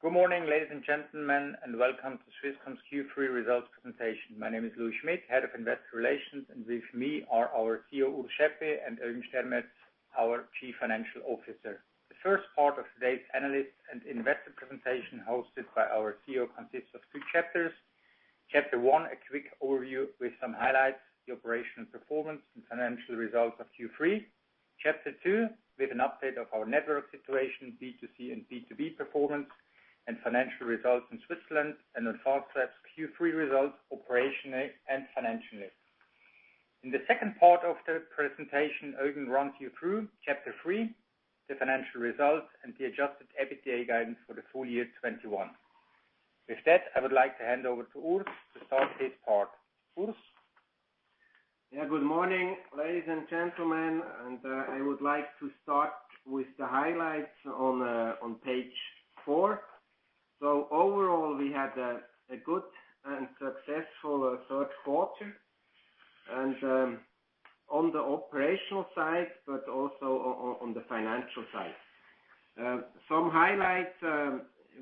Good morning, ladies and gentlemen, and welcome to Swisscom's Q3 results presentation. My name is Louis Schmid, Head of Investor Relations, and with me are our CEO, Urs Schaeppi, and Eugen Stermetz, our Chief Financial Officer. The first part of today's analyst and investor presentation, hosted by our CEO, consists of three chapters. Chapter one, a quick overview with some highlights, the operational performance and financial results of Q3. Chapter two, with an update of our network situation, B2C and B2B performance, and financial results in Switzerland, and then Fastweb's Q3 results, operationally and financially. In the second part of the presentation, Eugen runs you through chapter three, the financial results and the adjusted EBITDA guidance for the full year 2021. With that, I would like to hand over to Urs to start his part. Urs? Yeah. Good morning, ladies and gentlemen. I would like to start with the highlights on page four. Overall, we had a good and successful third quarter. On the operational side, but also on the financial side. Some highlights.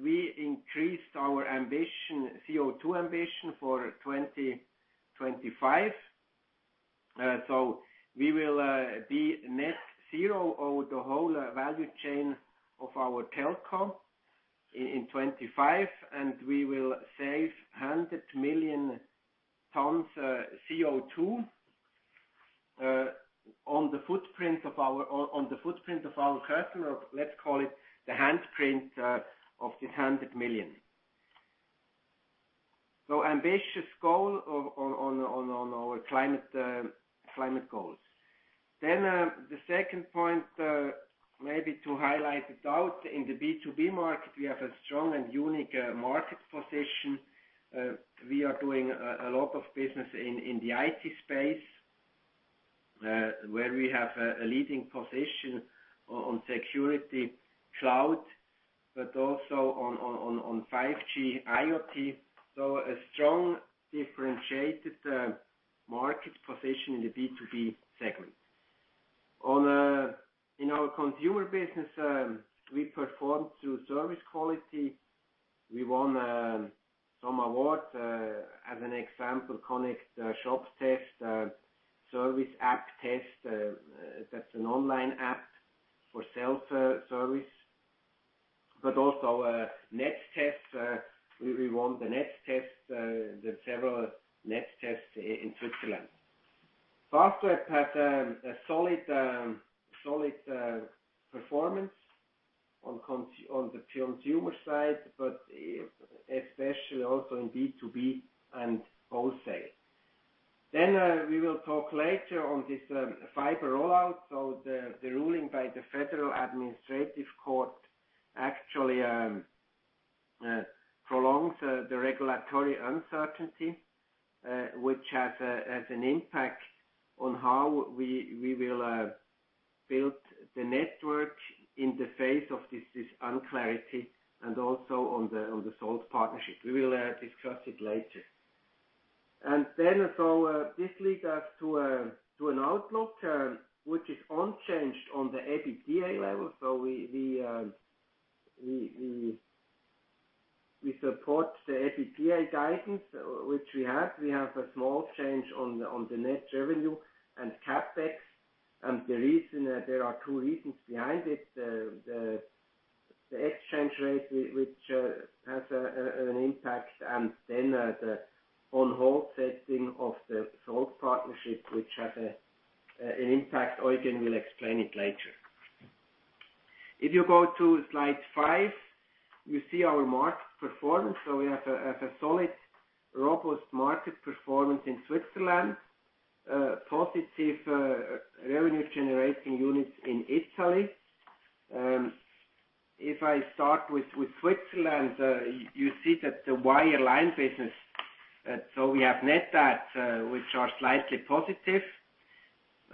We increased our ambition, CO2 ambition for 2025. We will be net zero over the whole value chain of our telecom in 2025, and we will save 100 million tons CO2 on the footprint of our customer. Let's call it the handprint of this 100 million. Ambitious goal on our climate goals. The second point, maybe to highlight it out. In the B2B market, we have a strong and unique market position. We are doing a lot of business in the IT space, where we have a leading position on security cloud, but also on 5G IoT. A strong differentiated market position in the B2B segment. In our consumer business, we performed through service quality. We won some awards. As an example, Connect Shop Test, service app test. That's an online app for self-service. But also our Net Test. We won the Net Test. The several Net Tests in Switzerland. Fastweb had a solid performance on the pro-consumer side, but especially also in B2B and wholesale. We will talk later on this fiber rollout. The ruling by the Federal Administrative Court actually prolongs the regulatory uncertainty, which has an impact on how we will build the network in the face of this unclarity and also on the Salt partnership. We will discuss it later. This leads us to an outlook term, which is unchanged on the EBITDA level. We support the EBITDA guidance which we have. We have a small change on the net revenue and CapEx. The reason there are two reasons behind it. The exchange rate which has an impact, and then the on-hold status of the Salt partnership, which has an impact. Eugen will explain it later. If you go to slide five, you see our market performance. We have a solid, robust market performance in Switzerland. Positive revenue-generating units in Italy. If I start with Switzerland, you see that the wireline business. We have net adds, which are slightly positive.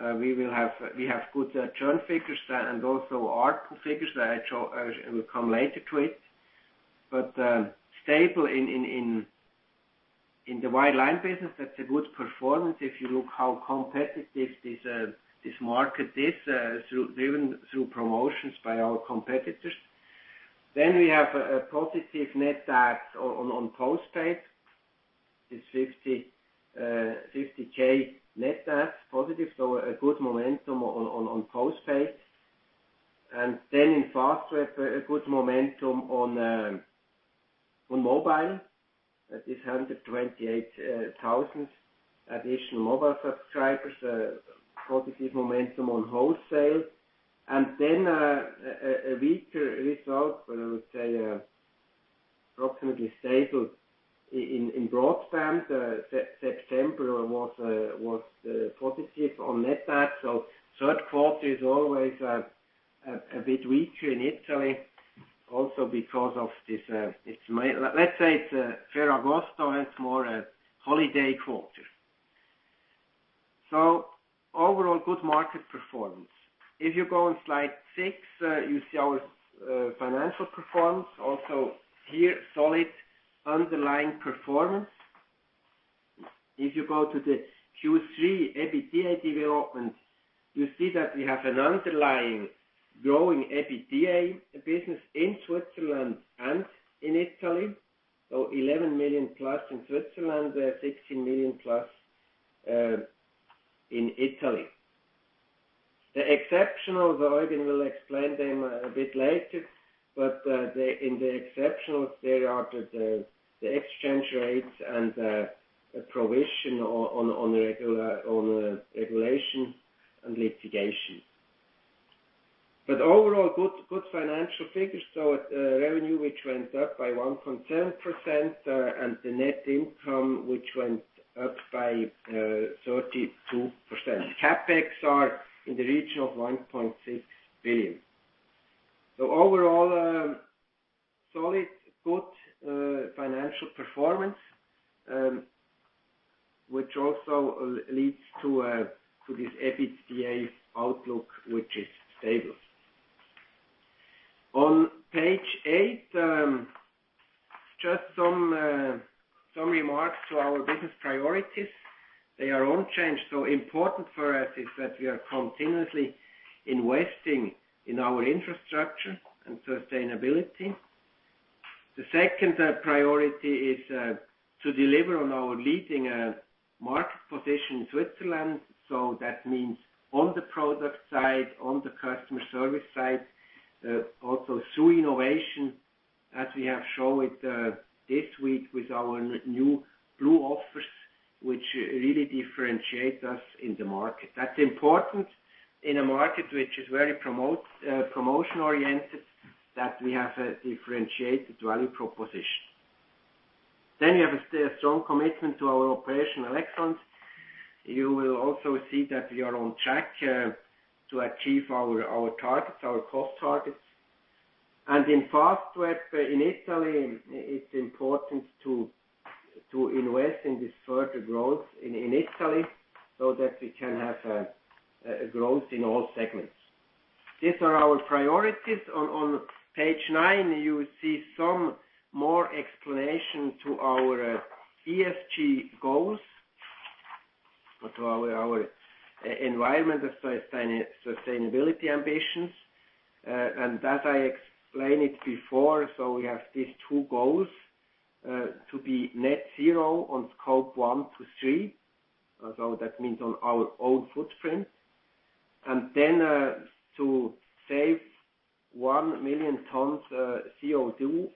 We have good churn figures and also ARPU figures that I show. I will come later to it. Stable in the wireline business. That's a good performance if you look how competitive this market is, even through promotions by our competitors. We have positive net adds on postpaid. It's 50K net adds positive, so a good momentum on postpaid. In Fastweb, a good momentum on mobile. That is 128 thousand additional mobile subscribers. Positive momentum on wholesale. Then a weaker result. I would say, approximately stable in broadband. September was positive on net adds. Third quarter is always a bit weaker in Italy also because of this, let's say it's Ferragosto, and it's more a holiday quarter. Overall, good market performance. If you go on slide 6, you see our financial performance. Also here, solid underlying performance. If you go to the Q3 EBITDA development, you see that we have an underlying growing EBITDA business in Switzerland and in Italy. Eleven million-plus in Switzerland, sixteen million-plus in Italy. The exceptional, though, Eugen will explain them a bit later, but in the exceptional, there are the exchange rates and the provision on regulation and litigation. Overall, good financial figures. Revenue which went up by 1.7%, and the net income which went up by 32%. CapEx are in the region of 1.6 billion. Overall, solid, good, financial performance, which also leads to this EBITDA outlook, which is stable. On page eight, just some remarks to our business priorities. They are unchanged, so important for us is that we are continuously investing in our infrastructure and sustainability. The second priority is to deliver on our leading market position in Switzerland. That means on the product side, on the customer service side, also through innovation, as we have shown this week with our new blue offers, which really differentiate us in the market. That's important in a market which is very promotion-oriented, that we have a differentiated value proposition. Then we have a strong commitment to our operational excellence. You will also see that we are on track to achieve our targets, our cost targets. In Fastweb in Italy, it's important to invest in this further growth in Italy so that we can have a growth in all segments. These are our priorities. On page nine, you see some more explanation to our ESG goals. Our environment and sustainability ambitions. That I explained it before, so we have these two goals to be net zero on Scope 1 to 3. That means on our own footprint. To save 1 million tons CO2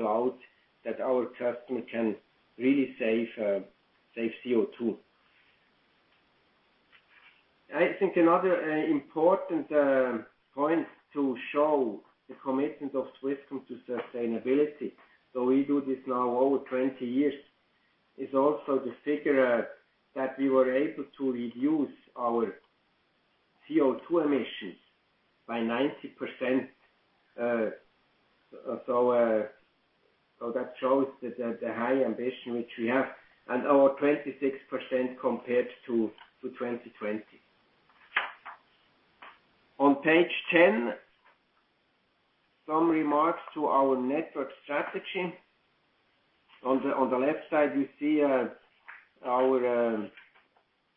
on the Scope 4. That means the handprint. There we have the potential by using products like IoT smart home cloud, that our customer can really save CO2. I think another important point to show the commitment of Swisscom to sustainability, so we do this now over 20 years, is also the figure that we were able to reduce our CO2 emissions by 90%. That shows the high ambition which we have, and our 26% compared to 2020. On page 10, some remarks to our network strategy. On the left side, you see our,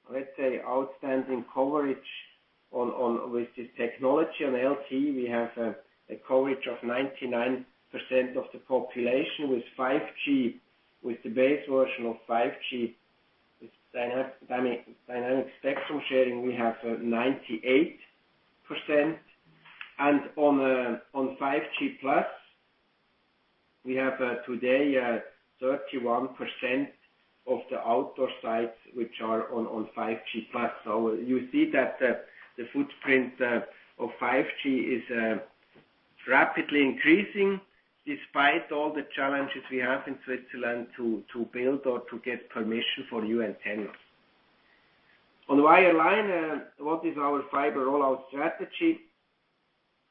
let's say, outstanding coverage with this technology. On LTE, we have a coverage of 99% of the population. With 5G, with the base version of 5G, with dynamic spectrum sharing, we have 98%. On 5G Plus, we have today 31% of the outdoor sites which are on 5G Plus. You see that the footprint of 5G is rapidly increasing despite all the challenges we have in Switzerland to build or to get permission for new antennas. On wireline, what is our fiber rollout strategy?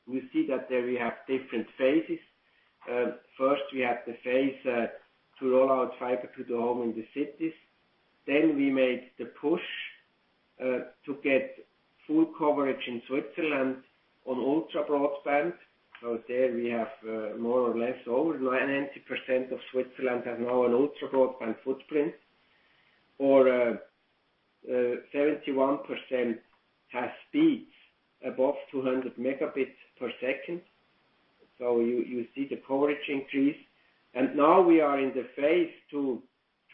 We see that there we have different phases. First, we have the phase to roll out fiber to the home in the cities. We made the push to get full coverage in Switzerland on ultra-broadband. There we have more or less over 90% of Switzerland has now an ultra-broadband footprint. Or 71% has speeds above 200 Mbps. You see the coverage increase. Now we are in the phase to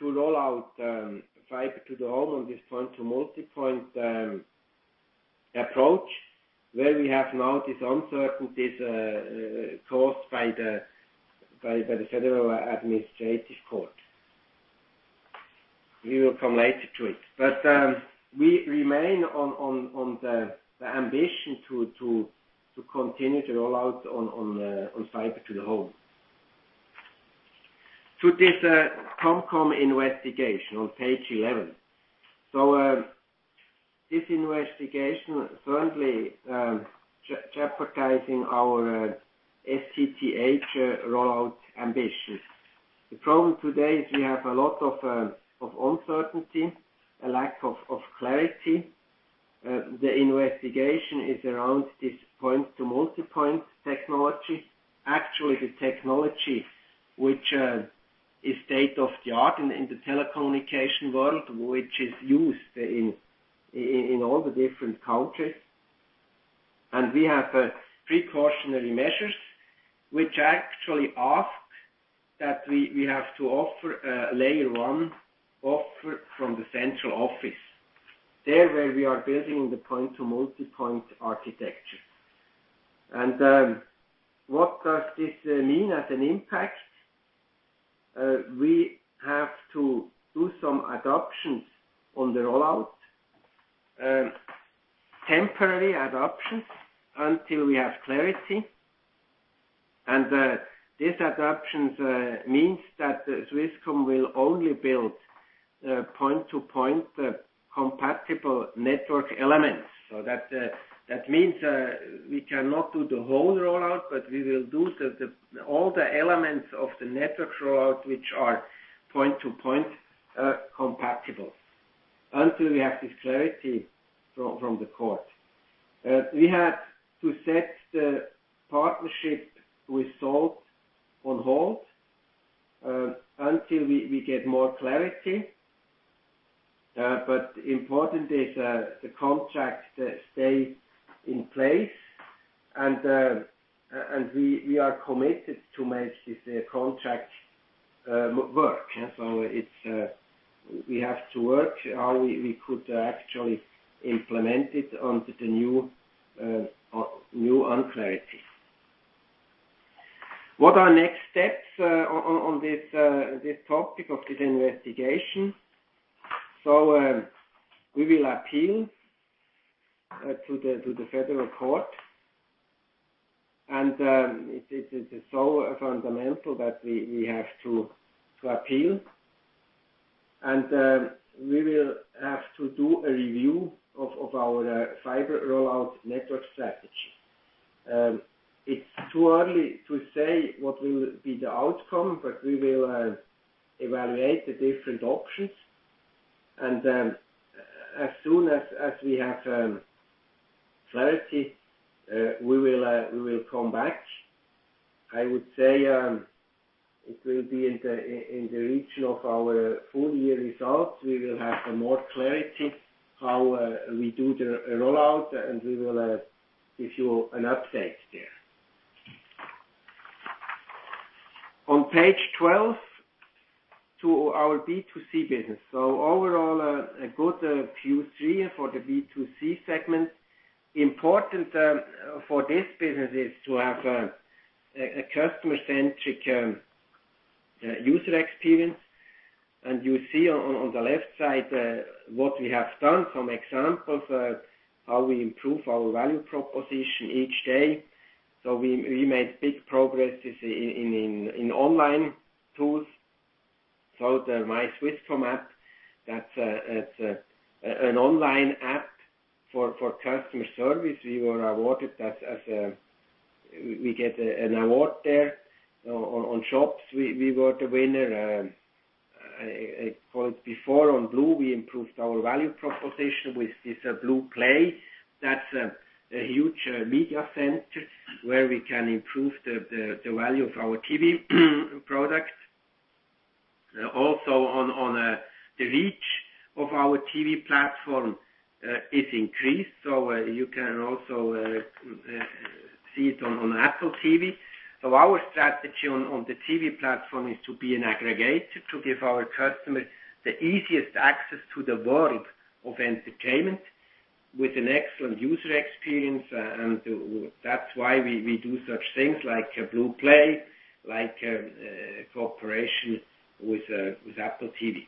roll out fiber to the home on this point-to-multipoint approach, where we have now this uncertainty caused by the Federal Administrative Court. We will come later to it. We remain on the ambition to continue to roll out on fiber to the home. To this COMCO investigation on page 11. This investigation is currently jeopardizing our FTTH rollout ambitions. The problem today is we have a lot of uncertainty, a lack of clarity. The investigation is around this point-to-multipoint technology. Actually, the technology which is state-of-the-art in the telecommunications world, which is used in all the different countries. We have precautionary measures which actually ask that we have to offer a Layer one offer from the central office, there where we are building the point-to-multipoint architecture. What does this mean as an impact? We have to do some adaptations on the rollout, temporary adaptations until we have clarity. These adaptations means that Swisscom will only build point-to-point compatible network elements. That means we cannot do the whole rollout, but we will do all the elements of the network rollout which are point-to-point compatible until we have this clarity from the court. We had to set the partnership with Salt on hold until we get more clarity. But important is the contract stay in place and we are committed to make this contract work. It's we have to work how we could actually implement it under the new unclarity. What are next steps on this topic of this investigation? We will appeal to the federal court. It is so fundamental that we have to appeal. We will have to do a review of our fiber rollout network strategy. It's too early to say what will be the outcome, but we will evaluate the different options. As soon as we have clarity, we will come back. I would say it will be in the region of our full-year results. We will have more clarity how we do the rollout, and we will give you an update there. On page 12 to our B2C business. Overall, a good Q3 for the B2C segment. Important for this business is to have a customer-centric user experience. You see on the left side what we have done, some examples how we improve our value proposition each day. We made big progress in online tools. The My Swisscom app, that's an online app for customer service. We were awarded that as we get an award there. On shops, we were the winner. I called before on blue, we improved our value proposition with this blue Play. That's a huge media center where we can improve the value of our TV products. Also the reach of our TV platform is increased, so you can also see it on Apple TV. Our strategy on the TV platform is to be an aggregator, to give our customers the easiest access to the world of entertainment with an excellent user experience. That's why we do such things like blue Play, like cooperation with Apple TV.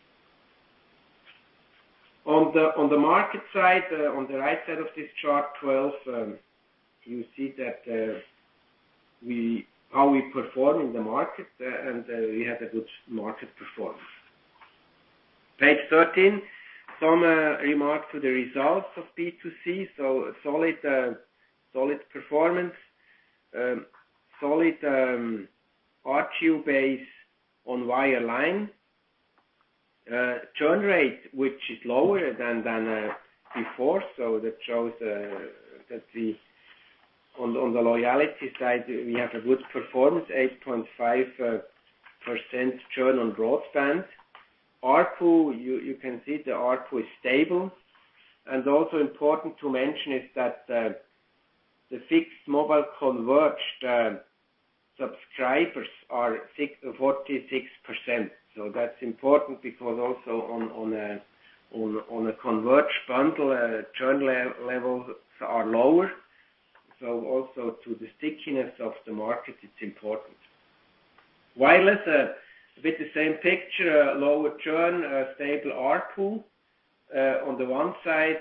On the market side, on the right side of this chart 12, you see how we perform in the market, and we had a good market performance. Page 13, some remarks to the results of B2C. A solid performance, solid ARPU based on wireline, churn rate which is lower than before. That shows that on the loyalty side, we have a good performance, 8.5% churn on broadband. ARPU, you can see the ARPU is stable. Also important to mention is that the fixed-mobile convergence subscribers are 46%. That's important because also on a converged bundle, churn levels are lower. Also to the stickiness of the market, it's important. Wireless, a bit the same picture. Lower churn, a stable ARPU, on the one side.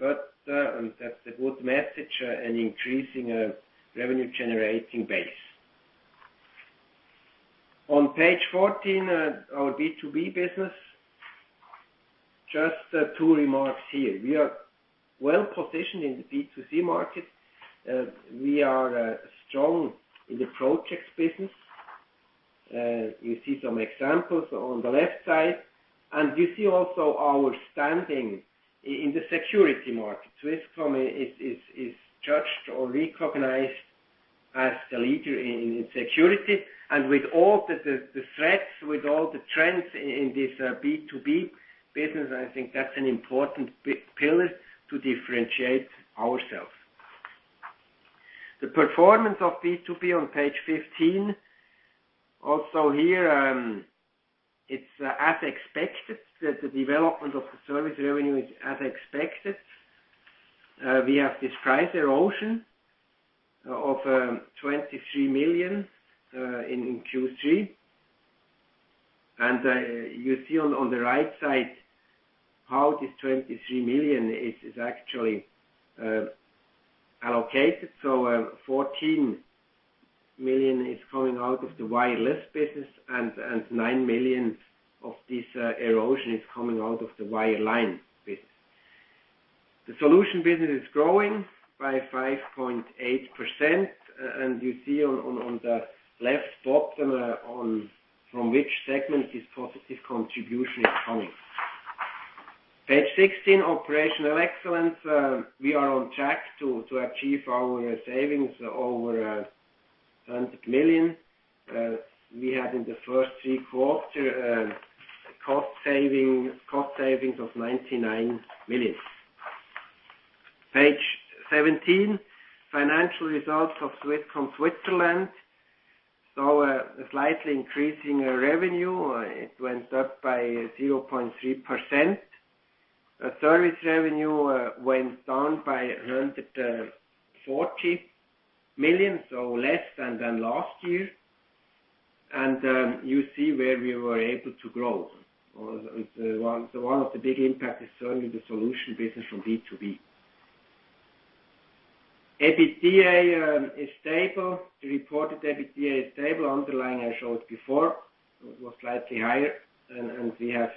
That's a good message, an increasing revenue-generating base. On page 14, our B2B business. Just two remarks here. We are well positioned in the B2C market. We are strong in the projects business. You see some examples on the left side, and you see also our standing in the security market. Swisscom is judged or recognized as the leader in security. With all the threats, with all the trends in this B2B business, I think that's an important pillar to differentiate ourselves. The performance of B2B on page 15. Also here, it's as expected. The development of the service revenue is as expected. We have this price erosion of 23 million in Q3. You see on the right side how this 23 million is actually allocated. Fourteen million is coming out of the wireless business and nine million of this erosion is coming out of the wireline business. The solution business is growing by 5.8%, and you see on the left bottom from which segment this positive contribution is coming. Page 16, operational excellence. We are on track to achieve our savings over 100 million. We had in the first three quarters cost savings of 99 million. Page 17, financial results of Swisscom Switzerland. A slightly increasing revenue. It went up by 0.3%. Service revenue went down by 140 million, so less than last year. You see where we were able to grow. One of the big impact is certainly the solution business from B2B. EBITDA is stable. The reported EBITDA is stable. Underlying, I showed before, it was slightly higher. We have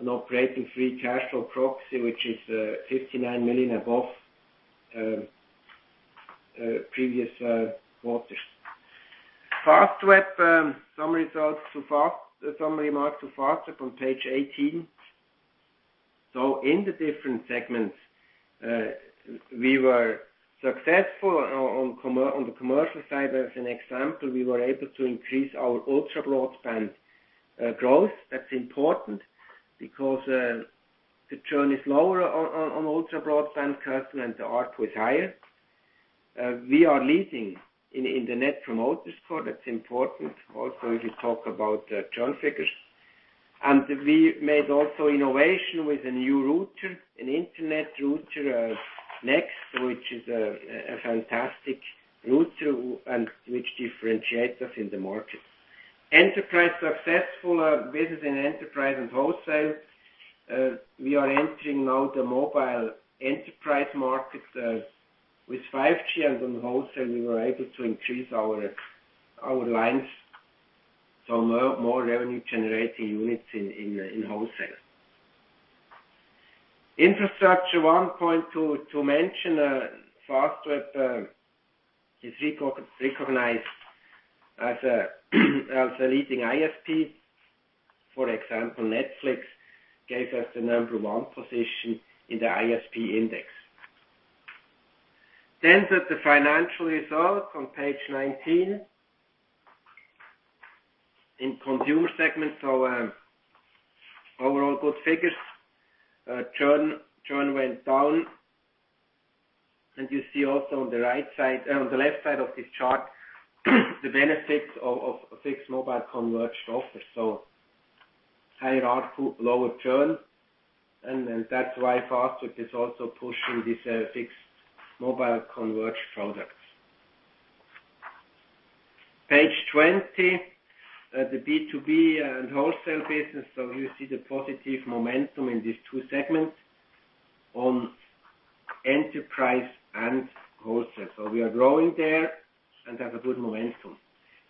an operating free cash flow proxy, which is 59 million above previous quarters. Fastweb, some remarks to Fastweb on page 18. In the different segments, we were successful on the commercial side. As an example, we were able to increase our ultra-broadband growth. That's important because the churn is lower on ultra-broadband, customer ARPU is higher. We are leading in the Net Promoter Score. That's important also, if you talk about the churn figures. We made also innovation with a new router, an internet router, NeXXt, which is a fantastic router and which differentiates us in the market. Enterprise successful business in enterprise and wholesale. We are entering now the mobile enterprise market with 5G. On wholesale, we were able to increase our lines, so more revenue-generating units in wholesale. Infrastructure, one point to mention, Fastweb is recognized as a leading ISP. For example, Netflix gave us the number one position in the ISP index. To the financial result on page 19. In consumer segment, overall good figures. Churn went down. You see also on the right side, on the left side of this chart, the benefits of fixed mobile converged offers. Higher ARPU, lower churn. That's why Fastweb is also pushing this fixed mobile converged products. Page 20, the B2B and wholesale business. You see the positive momentum in these two segments on enterprise and wholesale. We are growing there and have a good momentum.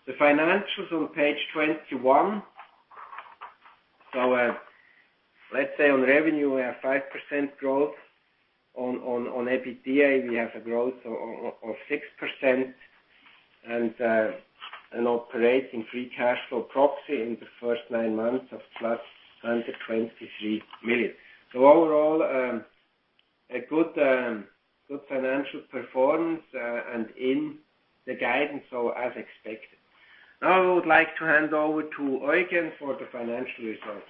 The financials on page 21. Let's say on revenue we have 5% growth. On EBITDA we have a growth of 6%. An operating free cash flow proxy in the first nine months of +123 million. Overall, a good financial performance, and in the guidance, as expected. Now I would like to hand over to Eugen for the financial results.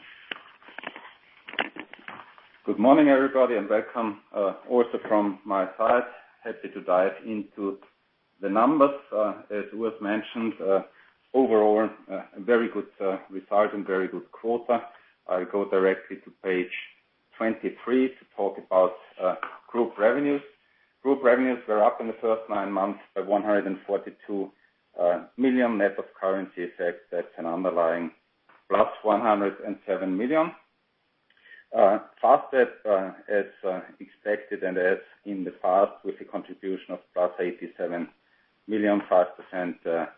Good morning, everybody, and welcome also from my side. Happy to dive into the numbers. As was mentioned, overall a very good result and very good quarter. I'll go directly to page 23 to talk about group revenues. Group revenues were up in the first nine months by 142 million net of currency effects. That's an underlying plus 107 million. Fastweb, as expected and as in the past with a contribution of plus 87 million, 5%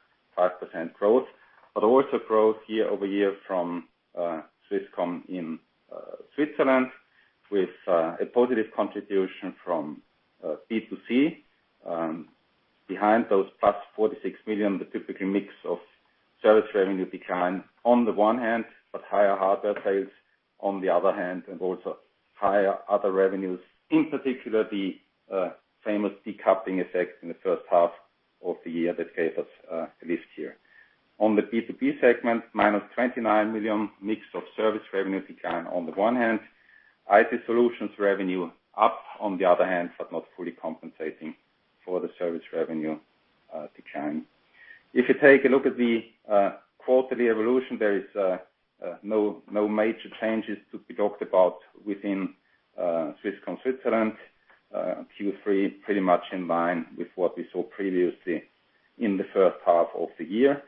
growth. Also growth year-over-year from Swisscom in Switzerland with a positive contribution from B2C. Behind those +46 million, the typical mix of service revenue decline on the one hand, but higher hardware sales on the other hand, and also higher other revenues, in particular, the famous decoupling effect in the first half of the year that gave us a lift here. On the B2B segment, -29 million mix of service revenue decline on the one hand. IT solutions revenue up on the other hand, but not fully compensating for the service revenue decline. If you take a look at the quarterly evolution, there is no major changes to be talked about within Swisscom Switzerland. Q3 pretty much in line with what we saw previously in the first half of the year.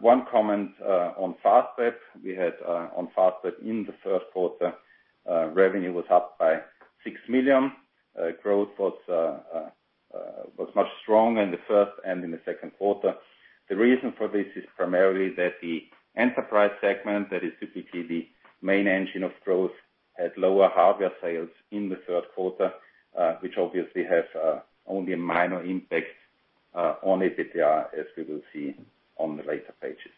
One comment on Fastweb. We had on Fastweb in the first quarter revenue was up by 6 million. Growth was much stronger in the first and in the second quarter. The reason for this is primarily that the enterprise segment, that is typically the main engine of growth, had lower hardware sales in the third quarter, which obviously has only a minor impact on EBITDA, as we will see on the later pages.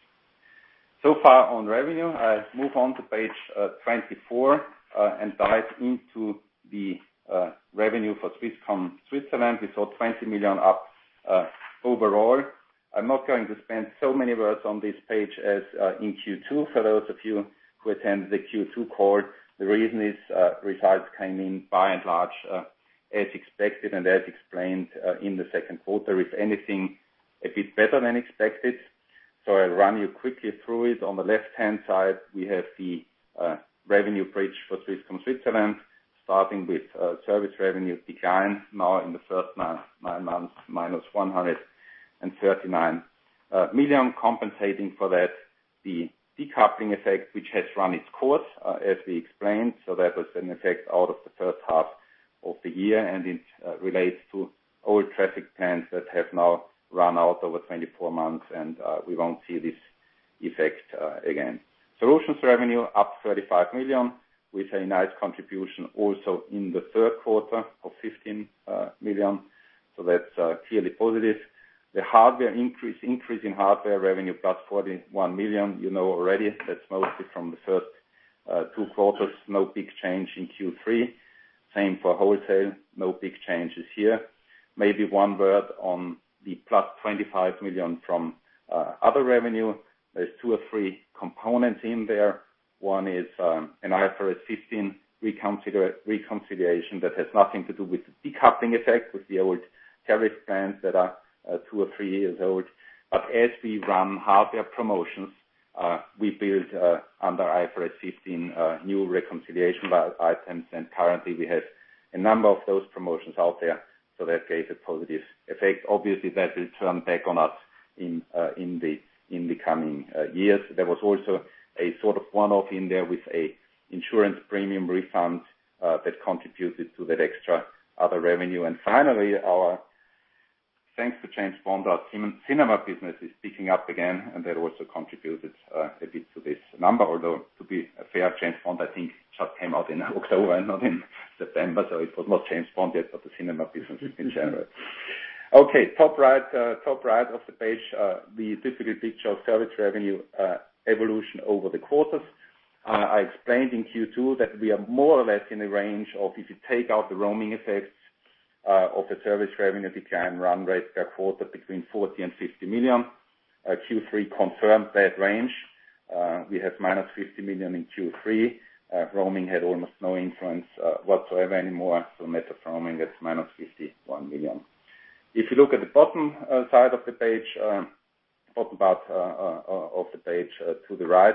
Far on revenue. I move on to page 24 and dive into the revenue for Swisscom Switzerland. We saw 20 million up overall. I'm not going to spend so many words on this page as in Q2. For those of you who attended the Q2 call, the reason is results came in by and large as expected and as explained in the second quarter, if anything, a bit better than expected. I'll run you quickly through it. On the left-hand side, we have the revenue bridge for Swisscom Switzerland, starting with service revenue decline now in the first nine months, minus 139 million. Compensating for that, the decoupling effect, which has run its course, as we explained. That was an effect out of the first half of the year, and it relates to old traffic plans that have now run out over 24 months. We won't see this effect again. Solutions revenue up 35 million, with a nice contribution also in the third quarter of 15 million. That's clearly positive. The hardware increase in hardware revenue plus 41 million. You know already that's mostly from the first two quarters. No big change in Q3. Same for wholesale. No big changes here. Maybe one word on the +25 million from other revenue. There's two or three components in there. One is an IFRS 15 reconciliation that has nothing to do with the decoupling effect, with the old tariff plans that are two or three years old. As we run hardware promotions, we build under IFRS 15 new reconciliation items. Currently, we have a number of those promotions out there. That creates a positive effect. Obviously, that will turn back on us in the coming years. There was also a sort of one-off in there with an insurance premium refund that contributed to that extra other revenue. Finally, our thanks to James Bond, our cinema business is picking up again, and that also contributed a bit to this number. Although, to be fair, James Bond, I think, just came out in October and not in September. It was not James Bond yet, but the cinema business in general. Okay. Top right of the page, the typical picture of service revenue evolution over the quarters. I explained in Q2 that we are more or less in a range of if you take out the roaming effects of the service revenue decline run rate per quarter between 40 million and 50 million. Q3 confirmed that range. We have -50 million in Q3. Roaming had almost no influence whatsoever anymore. Net of roaming, that's -51 million. If you look at the bottom side of the page to the right.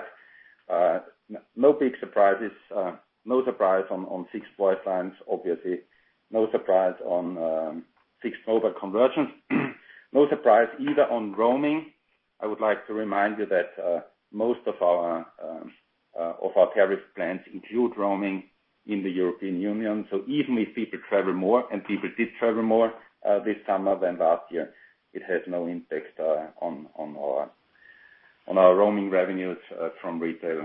No big surprises. No surprise on fixed voice lines, obviously. No surprise on fixed-mobile convergence. No surprise either on roaming. I would like to remind you that most of our tariff plans include roaming in the European Union. Even if people travel more, and people did travel more this summer than last year, it has no impact on our roaming revenues from retail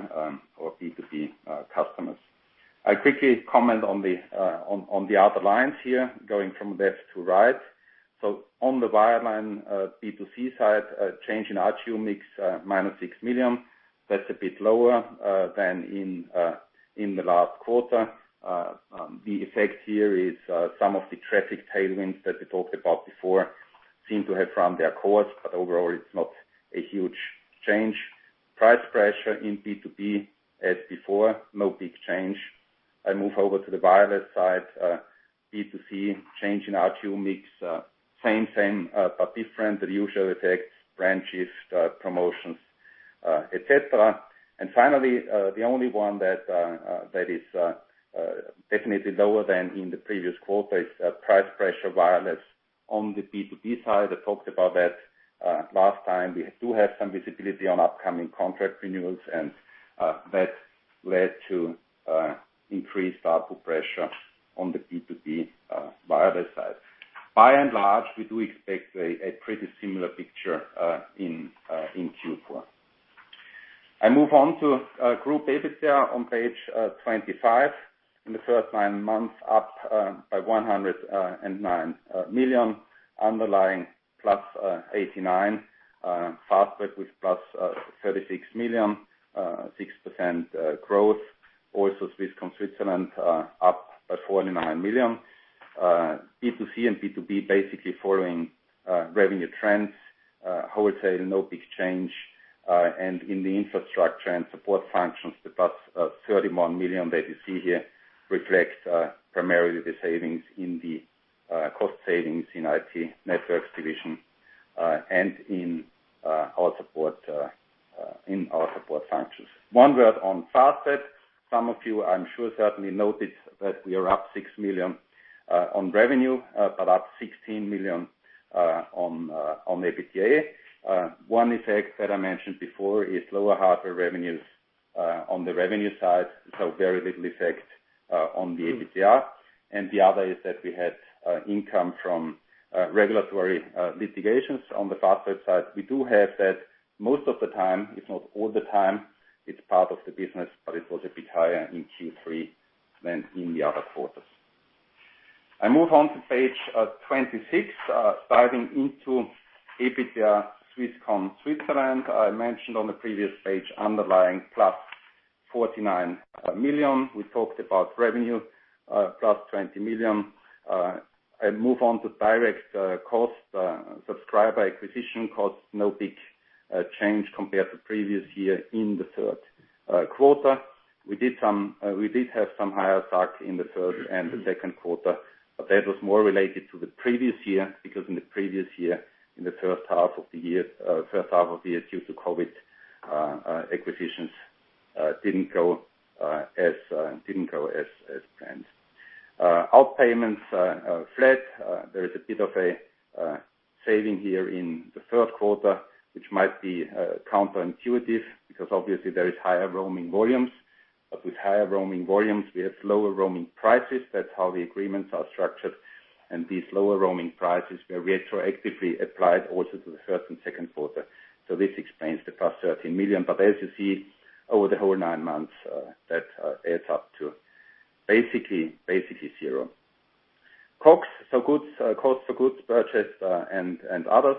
or B2B customers. I quickly comment on the other lines here, going from left to right. On the wireline B2C side, change in ARPU mix, -6 million. That's a bit lower than in the last quarter. The effect here is, some of the traffic tailwinds that we talked about before seem to have run their course, but overall, it's not a huge change. Price pressure in B2B as before, no big change. I move over to the wireless side. B2C change in ARPU mix, same, but different. The usual effects, branches, promotions, et cetera. Finally, the only one that is definitely lower than in the previous quarter is price pressure wireless on the B2B side. I talked about that last time. We do have some visibility on upcoming contract renewals and, that led to increased price pressure on the B2B wireless side. By and large, we do expect a pretty similar picture in Q4. I move on to group EBITDA on page 25. In the first nine months, up by 109 million. Underlying plus 89 million. Fastweb with plus 36 million, 6% growth. Also Swisscom Switzerland, up by 49 million. B2C and B2B basically following revenue trends. Wholesale, no big change. In the infrastructure and support functions, the plus 31 million that you see here reflects primarily the cost savings in IT networks division, and in our support functions. One word on Fastweb. Some of you, I'm sure, certainly noticed that we are up 6 million on revenue, but up 16 million on EBITDA. One effect that I mentioned before is lower hardware revenues on the revenue side, so very little effect on the EBITDA. The other is that we had income from regulatory litigations on the Fastweb side. We do have that most of the time, if not all the time. It's part of the business, but it was a bit higher in Q3 than in the other quarters. I move on to page 26. Diving into EBITDA Swisscom Switzerland. I mentioned on the previous page underlying +49 million. We talked about revenue +20 million. I move on to direct cost subscriber acquisition costs. No big change compared to previous year in the third quarter. We did have some higher SAC in the third and the second quarter, but that was more related to the previous year, because in the previous year, in the first half of the year, due to COVID, acquisitions didn't go as planned. Out-payments flat. There is a bit of a saving here in the third quarter, which might be counterintuitive because obviously there is higher roaming volumes. With higher roaming volumes, we have lower roaming prices. That's how the agreements are structured. These lower roaming prices were retroactively applied also to the first and second quarter. This explains the plus 13 million. As you see, over the whole nine months, that adds up to basically zero. COGS, so goods cost for goods purchased and others,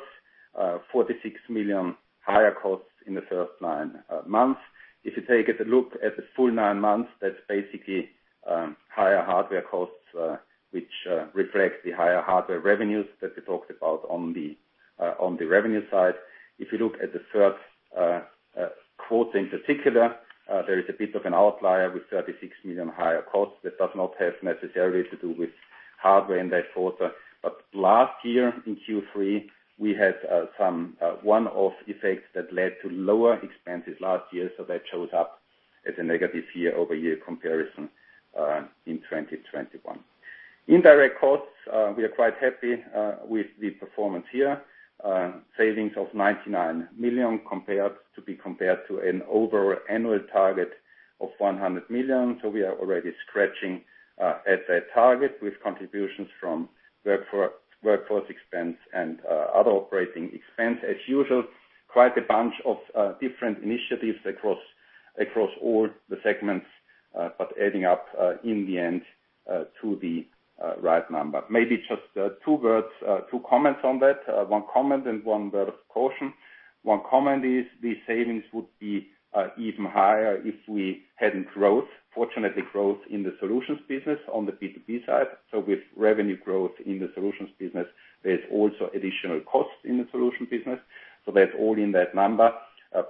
46 million higher costs in the first nine months. If you take a look at the full nine months, that's basically higher hardware costs, which reflects the higher hardware revenues that we talked about on the revenue side. If you look at the third quarter in particular, there is a bit of an outlier with 36 million higher costs. That does not have necessarily to do with hardware in that quarter. Last year in Q3, we had some one-off effects that led to lower expenses last year. That shows up as a negative year-over-year comparison in 2021. Indirect costs, we are quite happy with the performance here. Savings of 99 million compared to an overall annual target of 100 million. We are already scratching at that target with contributions from workforce expense and other operating expense. As usual, quite a bunch of different initiatives across all the segments but adding up in the end to the right number. Maybe just two comments on that. One comment and one word of caution. One comment is the savings would be even higher if we hadn't had growth, fortunately growth in the solutions business on the B2B side. With revenue growth in the solutions business, there's also additional costs in the solutions business. That's all in that number.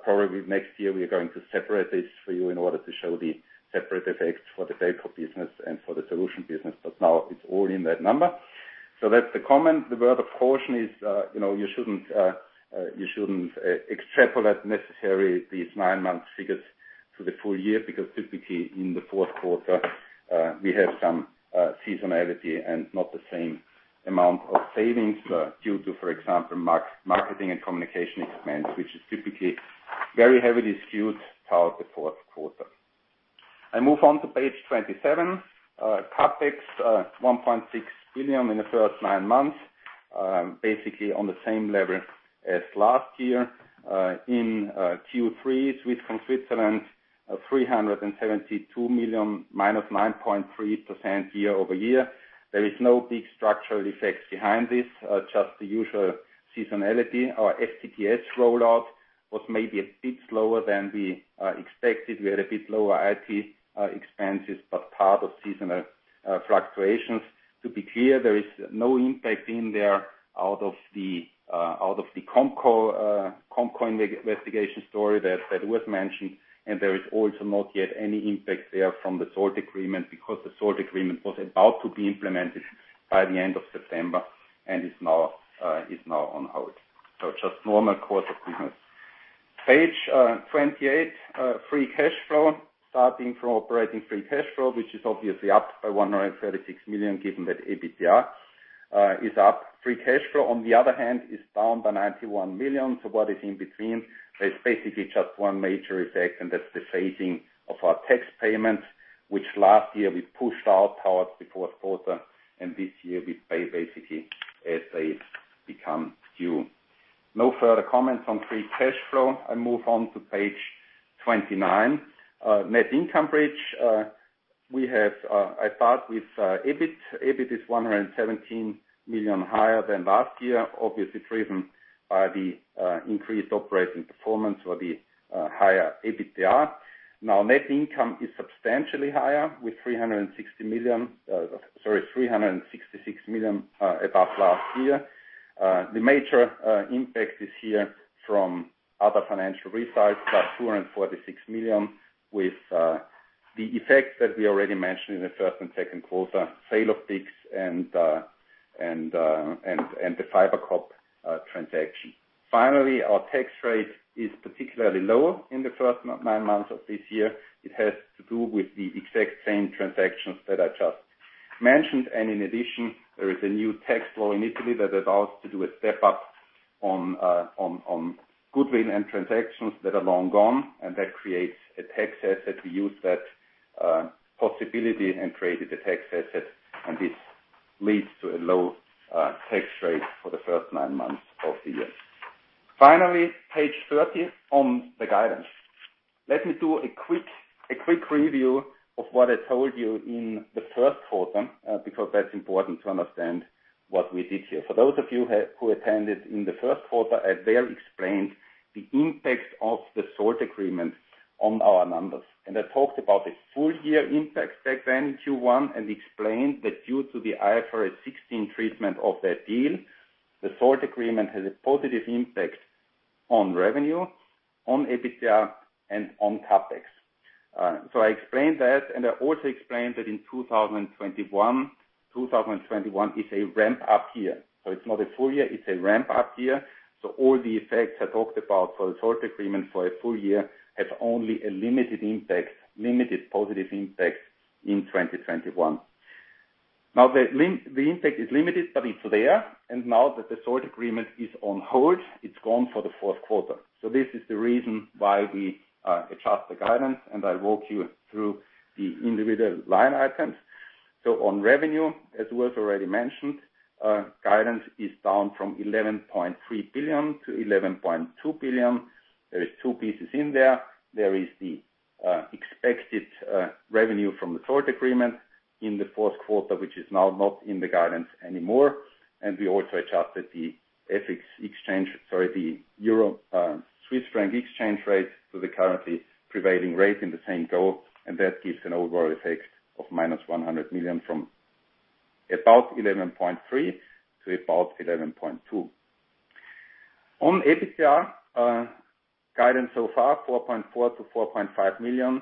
Probably next year we are going to separate this for you in order to show the separate effects for the pay-per business and for the solution business. Now it's all in that number. That's the comment. The word of caution is, you know, you shouldn't extrapolate necessarily these nine-month figures to the full year, because typically in the fourth quarter, we have some seasonality and not the same amount of savings due to, for example, marketing and communication expense, which is typically very heavily skewed toward the fourth quarter. I move on to page 27. CapEx, 1.6 billion in the first nine months. Basically on the same level as last year. In Q3, Swisscom Switzerland, CHF 372 million -9.3% year-over-year. There is no big structural effects behind this, just the usual seasonality. Our FTTH rollout was maybe a bit slower than we expected. We had a bit lower IT expenses, but part of seasonal fluctuations. To be clear, there is no impact in there out of the COMCO investigation story that was mentioned. There is also not yet any impact there from the Salt agreement, because the Salt agreement was about to be implemented by the end of September and is now on hold. Just normal course of business. Page 28, free cash flow starting from operating free cash flow, which is obviously up by 136 million, given that EBITDA is up. Free cash flow, on the other hand, is down by 91 million. What is in between? There's basically just one major effect, and that's the phasing of our tax payments, which last year we pushed out towards the fourth quarter, and this year we pay basically as they become due. No further comments on free cash flow. I move on to page 29. Net income bridge, we have, I start with, EBIT. EBIT is 117 million higher than last year, obviously driven by the increased operating performance or the higher EBITDA. Now, net income is substantially higher, with three hundred and sixty million, sorry, 366 million above last year. The major impact is here from other financial result +246 million with the effects that we already mentioned in the first and second quarter, sale of BICS and the FiberCop transaction. Finally, our tax rate is particularly lower in the first nine months of this year. It has to do with the exact same transactions that I just mentioned. In addition, there is a new tax law in Italy that allows to do a step up on goodwill and transactions that are long gone, and that creates a tax asset. We use that possibility and created a tax asset, and this leads to a low tax rate for the first nine months of the year. Finally, page 30 on the guidance. Let me do a quick review of what I told you in the first quarter, because that's important to understand what we did here. For those of you who attended in the first quarter, I there explained the impact of the Salt agreement on our numbers. I talked about the full year impact back then in Q1 and explained that due to the IFRS 16 treatment of that deal, the Salt agreement has a positive impact on revenue, on EBITDA, and on CapEx. I explained that, and I also explained that in 2021 is a ramp-up year. It's not a full year, it's a ramp-up year. All the effects I talked about for the Salt agreement for a full year have only a limited positive impact in 2021. Now the impact is limited, but it's there. Now that the Salt agreement is on hold, it's gone for the fourth quarter. This is the reason why we adjust the guidance, and I walk you through the individual line items. On revenue, as Urs already mentioned, guidance is down from 11.3 billion to 11.2 billion. There is two pieces in there. There is the expected revenue from the Salt agreement in the fourth quarter, which is now not in the guidance anymore. We also adjusted the Euro Swiss franc exchange rate to the currently prevailing rate in the same go. That gives an overall effect of -100 million from about 11.3 billion to about 11.2 billion. On EBITDA guidance so far, 4.4 million-4.5 million.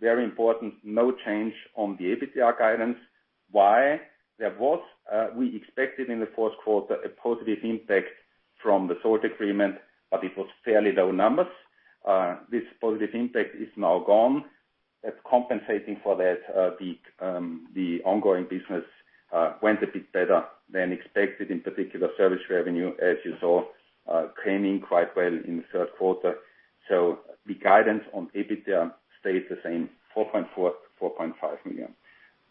Very important, no change on the EBITDA guidance. Why? There was, we expected in the fourth quarter a positive impact from the Salt agreement, but it was fairly low numbers. This positive impact is now gone. As compensating for that, the ongoing business went a bit better than expected, in particular service revenue, as you saw, came in quite well in the third quarter. The guidance on EBITDA stayed the same, 4.4 million-4.5 million.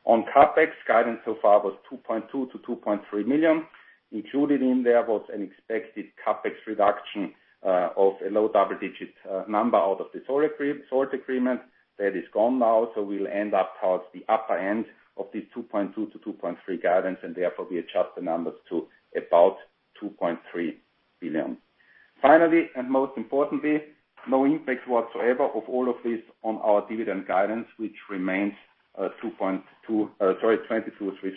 On CapEx, guidance so far was 2.2 million-2.3 million. Included in there was an expected CapEx reduction of a low double-digit number out of the Salt agreement. That is gone now, so we'll end up towards the upper end of the 2.2 billion-2.3 billion guidance, and therefore we adjust the numbers to about 2.3 billion. Finally, and most importantly, no impact whatsoever of all of this on our dividend guidance, which remains 22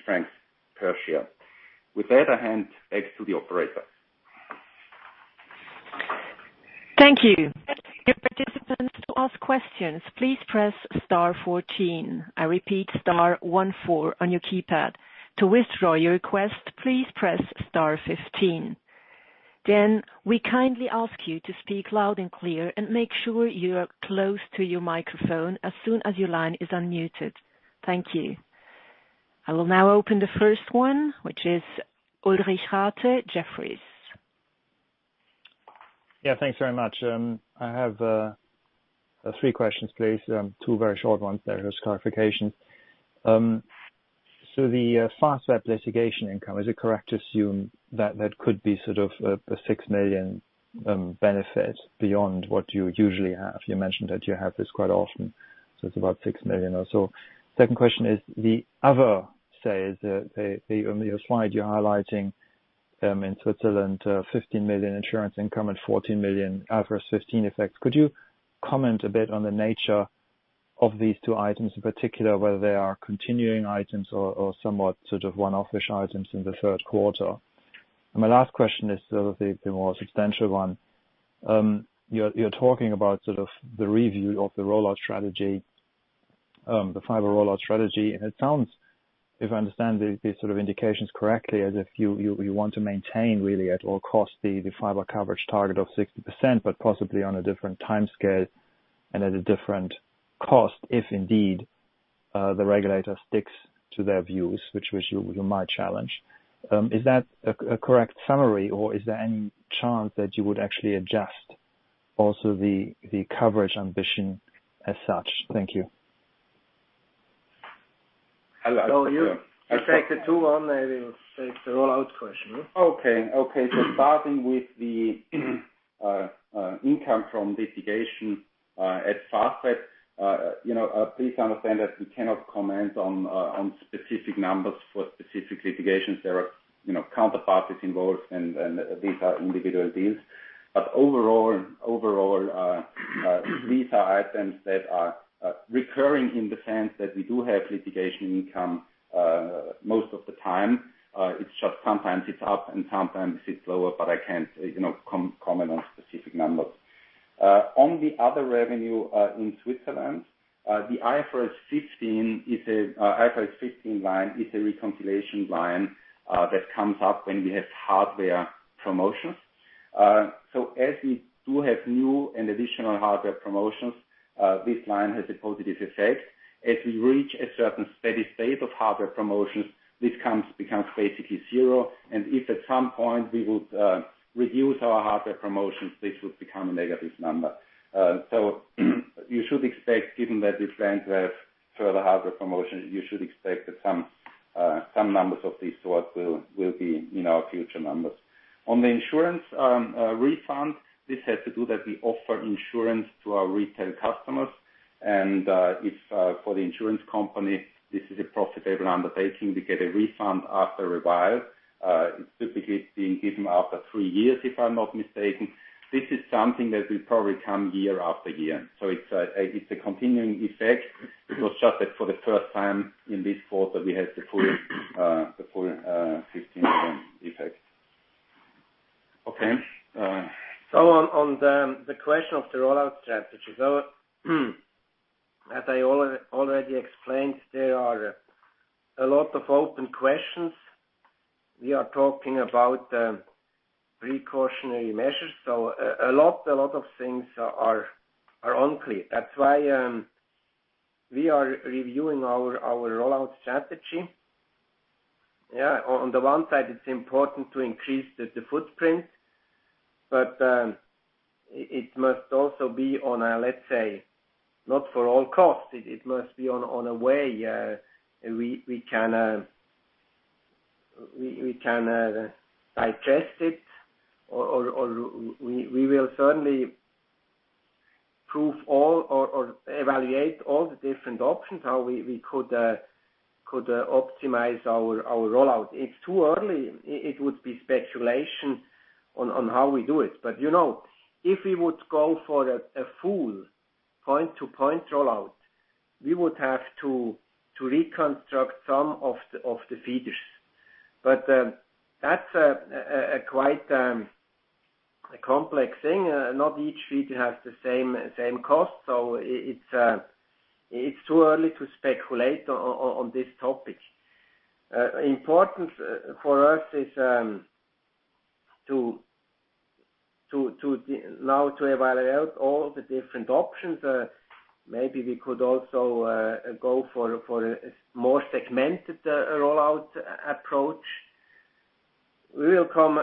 francs per share. With that, I hand back to the operator. Thank you. We kindly ask you to speak loud and clear and make sure you are close to your microphone as soon as your line is unmuted. Thank you. I will now open the first one, which is Ulrich Rathe, Jefferies. Yeah, thanks very much. I have three questions, please. Two very short ones. They're just clarifications. So the Fastweb litigation income, is it correct to assume that that could be sort of a 6 million benefit beyond what you usually have? You mentioned that you have this quite often, so it's about 6 million or so. Second question is the other sales. On your slide you're highlighting in Switzerland 15 million insurance income and 14 million IFRS 15 effects. Could you comment a bit on the nature of these two items, in particular, whether they are continuing items or somewhat sort of one-off-ish items in the third quarter? My last question is sort of the more substantial one. You're talking about sort of the review of the rollout strategy. The fiber rollout strategy. It sounds, if I understand these sort of indications correctly, as if you want to maintain really at all costs the fiber coverage target of 60%, but possibly on a different timescale and at a different cost, if indeed the regulator sticks to their views, which you might challenge. Is that a correct summary, or is there any chance that you would actually adjust also the coverage ambition as such? Thank you. Hello. You take the two on, maybe take the rollout question, yeah. Starting with the income from litigation at Fastweb. You know, please understand that we cannot comment on specific numbers for specific litigations. There are, you know, counterparties involved and these are individual deals. Overall, these are items that are recurring in the sense that we do have litigation income most of the time. It's just sometimes it's up and sometimes it's lower, but I can't, you know, comment on specific numbers. On the other revenue in Switzerland, the IFRS 15 line is a reconciliation line that comes up when we have hardware promotions. As we do have new and additional hardware promotions, this line has a positive effect. As we reach a certain steady state of hardware promotions, this becomes basically zero. If at some point we would reduce our hardware promotions, this would become a negative number. You should expect, given that we plan to have further hardware promotions, you should expect that some numbers of these sort will be in our future numbers. On the insurance refund, this has to do with the fact that we offer insurance to our retail customers, and for the insurance company, this is a profitable undertaking. We get a refund after a while, it's typically being given after three years, if I'm not mistaken. This is something that will probably come year after year. It's a continuing effect. It was just that for the first time in this quarter we had the full fifteen effect. Okay. On the question of the rollout strategy. As I already explained, there are a lot of open questions. We are talking about precautionary measures. A lot of things are unclear. That's why we are reviewing our rollout strategy. Yeah, on the one side it's important to increase the footprint, but it must also be on a, let's say, not at all costs. It must be on a way we can digest it or we will certainly pursue all or evaluate all the different options, how we could optimize our rollout. It's too early. It would be speculation on how we do it. You know, if we would go for a full point-to-point rollout, we would have to reconstruct some of the feeders. That's quite a complex thing. Not each feeder has the same cost. It's too early to speculate on this topic. Important for us is to now evaluate all the different options. Maybe we could also go for a more segmented rollout approach. We will come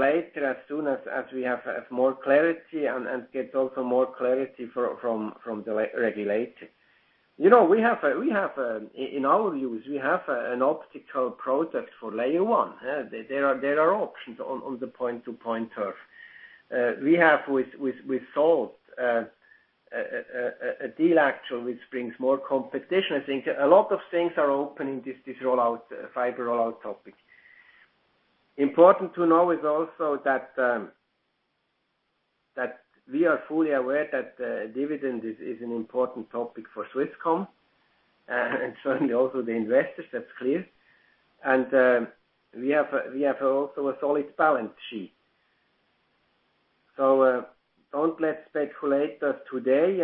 later as soon as we have more clarity and get also more clarity from the regulator. You know, in our views we have an optical product for Layer one. There are options on the point-to-point turf. We have with Salt a deal actually which brings more competition. I think a lot of things are open in this fiber rollout topic. Important to know is also that we are fully aware that dividend is an important topic for Swisscom and certainly also the investors. That's clear. We also have a solid balance sheet. Don't let us speculate today.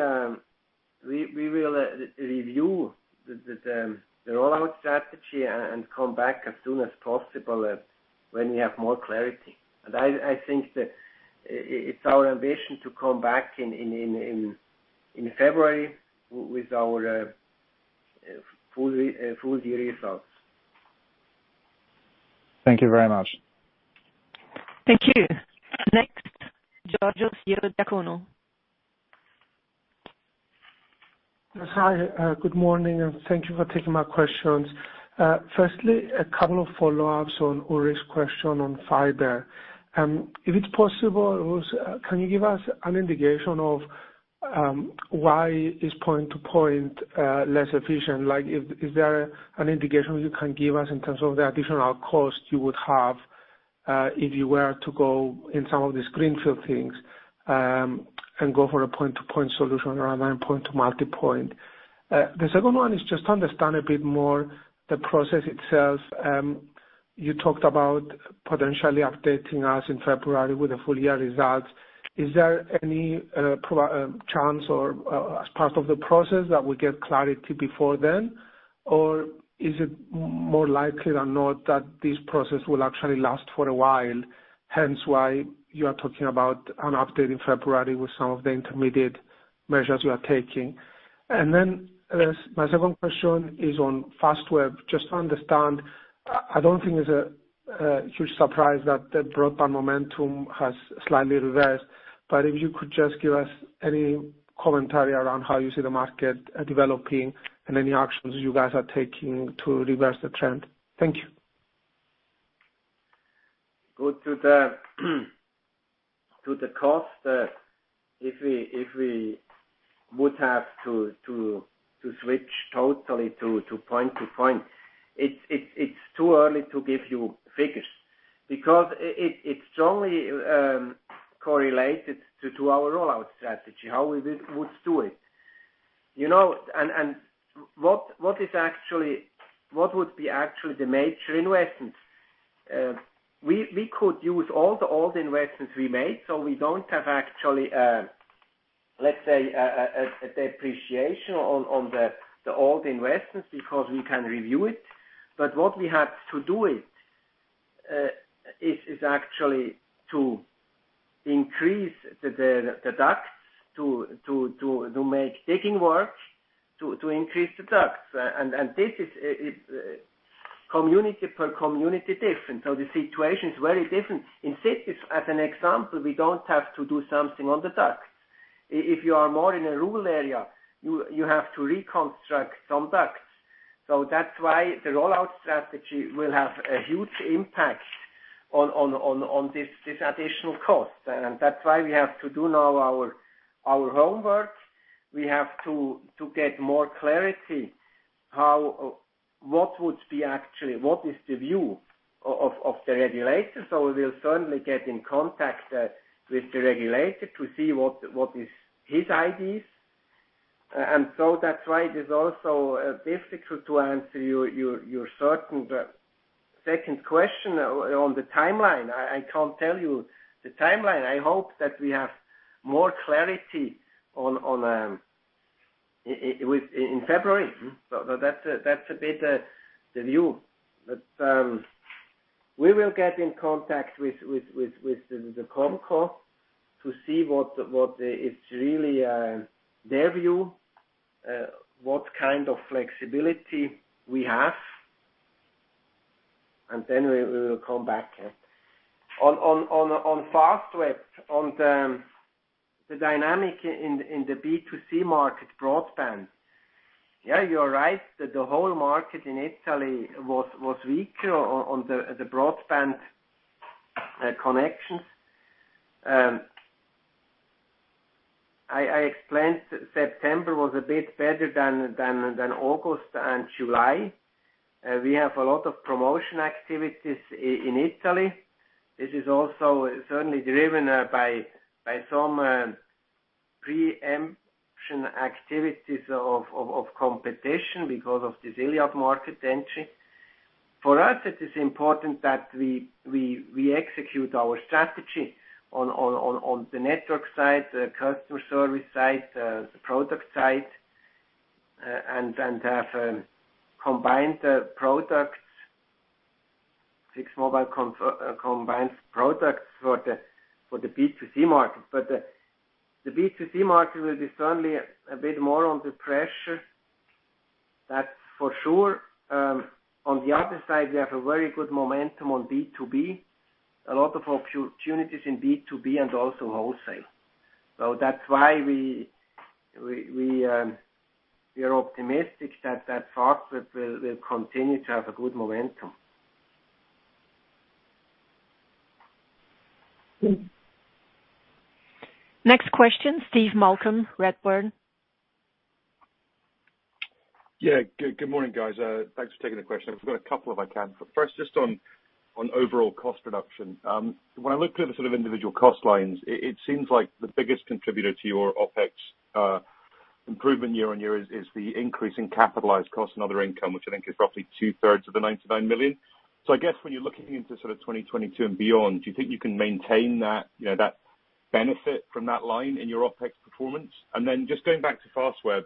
We will re-review the rollout strategy and come back as soon as possible when we have more clarity. I think that it's our ambition to come back in February with our full year results. Thank you very much. Thank you. Next, Georgios Ierodiaconou. Hi. Good morning, and thank you for taking my questions. Firstly, a couple of follow-ups on Ulrich's question on fiber. If it's possible, Urs, can you give us an indication of why is point-to-point less efficient? Like, is there an indication you can give us in terms of the additional cost you would have if you were to go in some of these greenfield things and go for a point-to-point solution rather than point-to-multipoint? The second one is just to understand a bit more the process itself. You talked about potentially updating us in February with the full year results. Is there any chance or, as part of the process, that we get clarity before then? Is it more likely than not that this process will actually last for a while, hence why you are talking about an update in February with some of the intermediate measures you are taking? As my second question is on Fastweb. Just to understand, I don't think it's a huge surprise that the broadband momentum has slightly reversed. But if you could just give us any commentary around how you see the market developing and any actions you guys are taking to reverse the trend. Thank you. Go to the cost. If we would have to switch totally to point-to-point, it's too early to give you figures because it strongly correlated to our rollout strategy, how we would do it. You know, and what would be actually the major investments? We could use all the old investments we made, so we don't have actually let's say a depreciation on the old investments because we can reuse it. What we have to do is actually to increase the ducts to make digging work, to increase the ducts. This is community per community different. The situation is very different. In cities, as an example, we don't have to do something on the ducts. If you are more in a rural area, you have to reconstruct some ducts. That's why the rollout strategy will have a huge impact on this additional cost. That's why we have to do now our homework. We have to get more clarity what is the view of the regulator. We'll certainly get in contact with the regulator to see what is his ideas. That's why it is also difficult to answer your second question on the timeline. I can't tell you the timeline. I hope that we have more clarity in February. That's a bit the view. We will get in contact with the COMCO to see what is really their view, what kind of flexibility we have. We will come back. On Fastweb, on the dynamics in the B2C broadband market, yeah, you're right. The whole market in Italy was weaker on the broadband connections. I explained September was a bit better than August and July. We have a lot of promotion activities in Italy. This is also certainly driven by some preemption activities of competition because of this Iliad market entry. For us, it is important that we execute our strategy on the network side, the customer service side, the product side, and have combined products for the B2C market. The B2C market will be certainly a bit more under pressure. That's for sure. On the other side, we have a very good momentum on B2B, a lot of opportunities in B2B and also wholesale. That's why we are optimistic that Fastweb will continue to have a good momentum. Next question, Steve Malcolm, Redburn. Good morning, guys. Thanks for taking the question. I've got a couple if I can. First, just on overall cost reduction. When I look through the sort of individual cost lines, it seems like the biggest contributor to your OpEx improvement year-over-year is the increase in capitalized cost and other income, which I think is roughly two-thirds of the 99 million. I guess when you're looking into sort of 2022 and beyond, do you think you can maintain that, you know, that benefit from that line in your OpEx performance? Then just going back to Fastweb,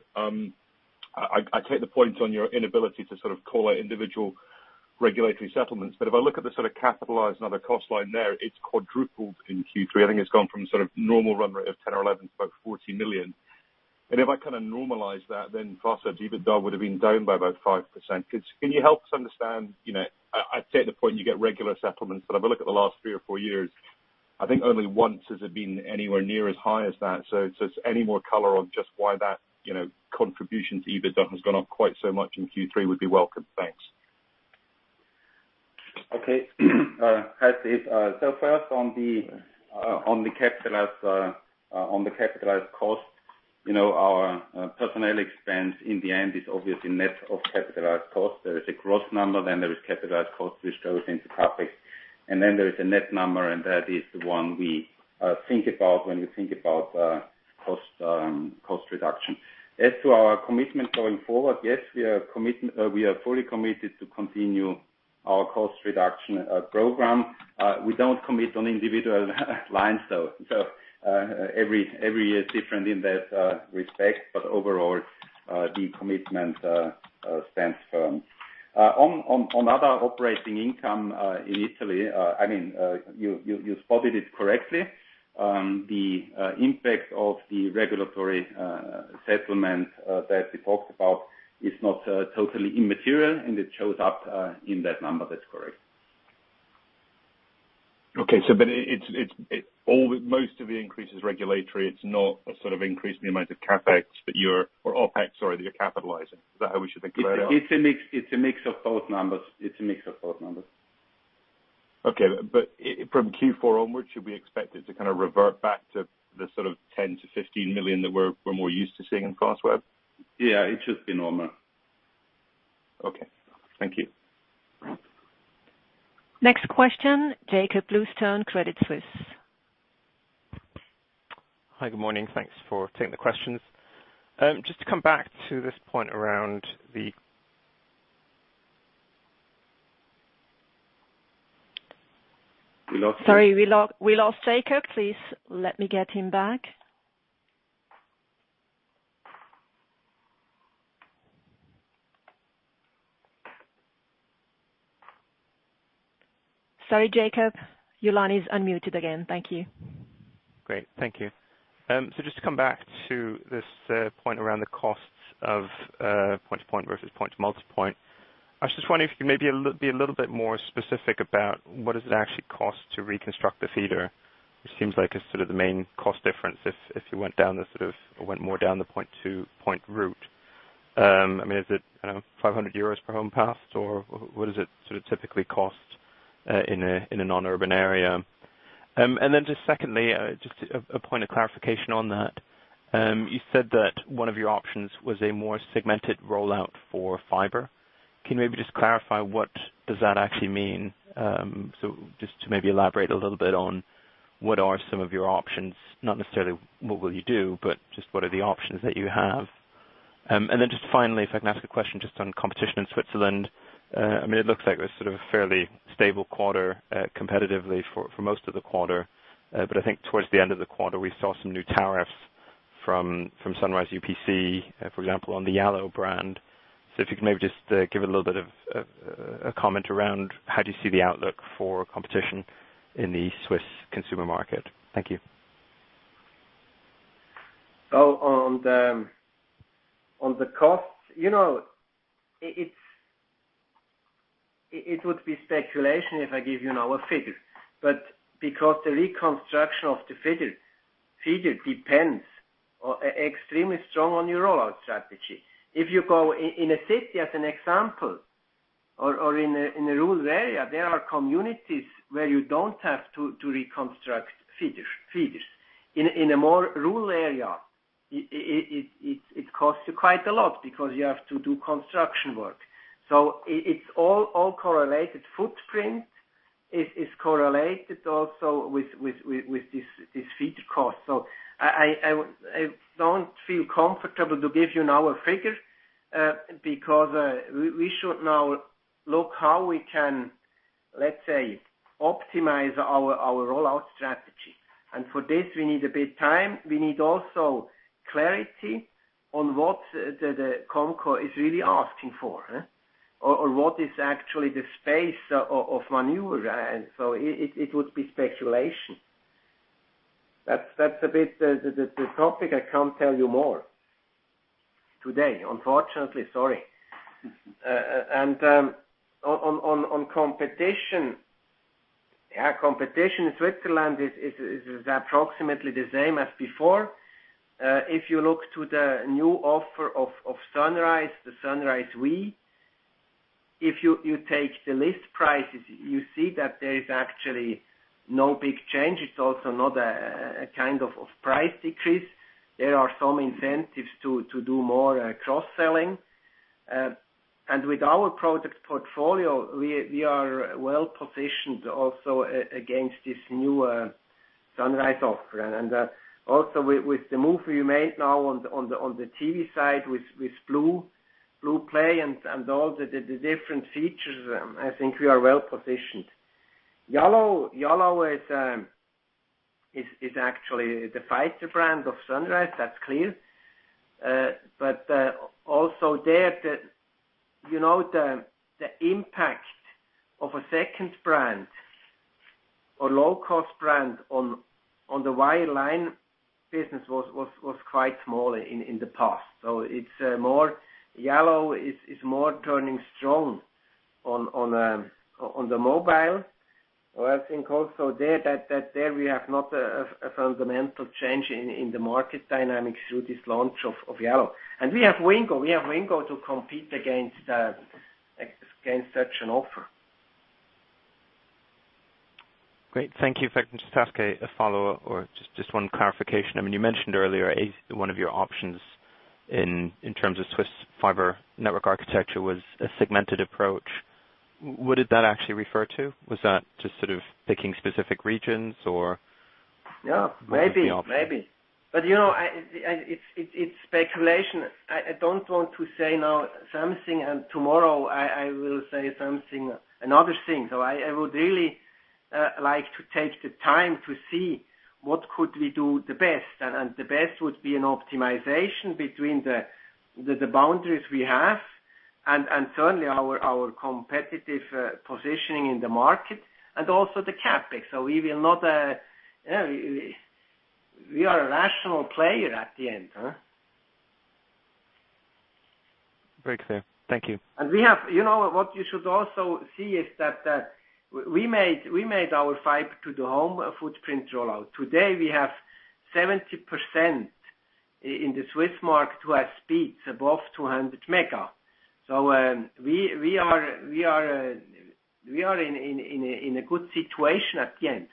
I take the point on your inability to sort of call out individual regulatory settlements. If I look at the sort of capitalized and other cost line there, it's quadrupled in Q3. I think it's gone from sort of normal run rate of 10 or 11 to about 40 million. If I kind of normalize that, then Fastweb EBITDA would have been down by about 5%. Can you help us understand, you know, I take the point you get regular settlements. If I look at the last three or four years, I think only once has it been anywhere near as high as that. Just any more color on just why that, you know, contribution to EBITDA has gone up quite so much in Q3 would be welcome. Thanks. Okay. Hi, Steve. So first on the capitalized cost. You know, our personnel expense in the end is obviously net of capitalized cost. There is a gross number, then there is capitalized cost which goes into CapEx. There is a net number, and that is the one we think about when we think about cost reduction. As to our commitment going forward, yes, we are fully committed to continue our cost reduction program. We don't commit on individual lines, though. Every year is different in that respect. Overall, the commitment stands firm. On other operating income in Italy, I mean, you spotted it correctly. The impact of the regulatory settlement that we talked about is not totally immaterial, and it shows up in that number. That's correct. Most of the increase is regulatory. It's not a sort of increase in the amount of CapEx that you're or OpEx, sorry, that you're capitalizing. Is that how we should think about it? It's a mix of both numbers. From Q4 onwards, should we expect it to kind of revert back to the sort of 10 million-15 million that we're more used to seeing in Fastweb? Yeah, it should be normal. Okay. Thank you. Next question, Jakob Bluestone, Credit Suisse. Hi. Good morning. Thanks for taking the questions. Just to come back to this point around the- We lost you. Sorry, we lost Jakob. Please let me get him back. Sorry, Jakob. Your line is unmuted again. Thank you. Great. Thank you. Just to come back to this point around the costs of point-to-point versus point-to-multipoint. I was just wondering if you could maybe be a little bit more specific about what does it actually cost to reconstruct the feeder. It seems like it's sort of the main cost difference if you went down the sort of or went more down the point-to-point route. I mean, is it, I don't know, 500 euros per home passed, or what does it sort of typically cost in a non-urban area? And then just secondly, just a point of clarification on that. You said that one of your options was a more segmented rollout for fiber. Can you maybe just clarify what does that actually mean? Just to maybe elaborate a little bit on what are some of your options, not necessarily what will you do, but just what are the options that you have. Just finally, if I can ask a question just on competition in Switzerland. I mean, it looks like it was sort of a fairly stable quarter, competitively for most of the quarter. I think towards the end of the quarter, we saw some new tariffs from Sunrise UPC, for example, on the yallo brand. If you could maybe just give a little bit of a comment around how do you see the outlook for competition in the Swiss consumer market. Thank you. On the costs, you know, it would be speculation if I give you now a figure, but because the reconstruction of the fiber depends extremely strong on your rollout strategy. If you go in a city as an example or in a rural area, there are communities where you don't have to reconstruct feeders. In a more rural area, it costs you quite a lot because you have to do construction work. It's all correlated. Footprint is correlated also with this feeder cost. I don't feel comfortable to give you now a figure, because we should now look how we can, let's say, optimize our rollout strategy. For this, we need a bit time. We need also clarity on what the COMCO is really asking for. Or what is actually the space of maneuver. It would be speculation. That's a bit the topic. I can't tell you more today, unfortunately. Sorry. On competition. Yeah, competition in Switzerland is approximately the same as before. If you look to the new offer of Sunrise, the Sunrise, if you take the list prices, you see that there is actually no big change. It's also not a kind of price decrease. There are some incentives to do more cross-selling. With our product portfolio, we are well-positioned also against this new Sunrise offer. also with the move we made now on the TV side with blue Play and all the different features, I think we are well-positioned. yallo is actually the fighter brand of Sunrise. That's clear. But also there. You know, the impact of a second brand or low-cost brand on the wireline business was quite small in the past. So it's more yallo is more turning strong on the mobile. So I think also there that there we have not a fundamental change in the market dynamics through this launch of yallo. We have Wingo to compete against such an offer. Great. Thank you. Just ask a follow-up or just one clarification. I mean, you mentioned earlier one of your options in terms of Swiss fiber network architecture was a segmented approach. What did that actually refer to? Was that just sort of picking specific regions or? Yeah. What was the option? Maybe, maybe. You know, it's speculation. I don't want to say now something, and tomorrow I will say something, another thing. I would really like to take the time to see what could we do the best. The best would be an optimization between the boundaries we have and certainly our competitive positioning in the market and also the CapEx. We will not, you know. We are a rational player at the end, huh? Very clear. Thank you. You know, what you should also see is that we made our fiber-to-the-home footprint rollout. Today, we have 70% in the Swiss market who have speeds above 200 Mbps. We are in a good situation at the end.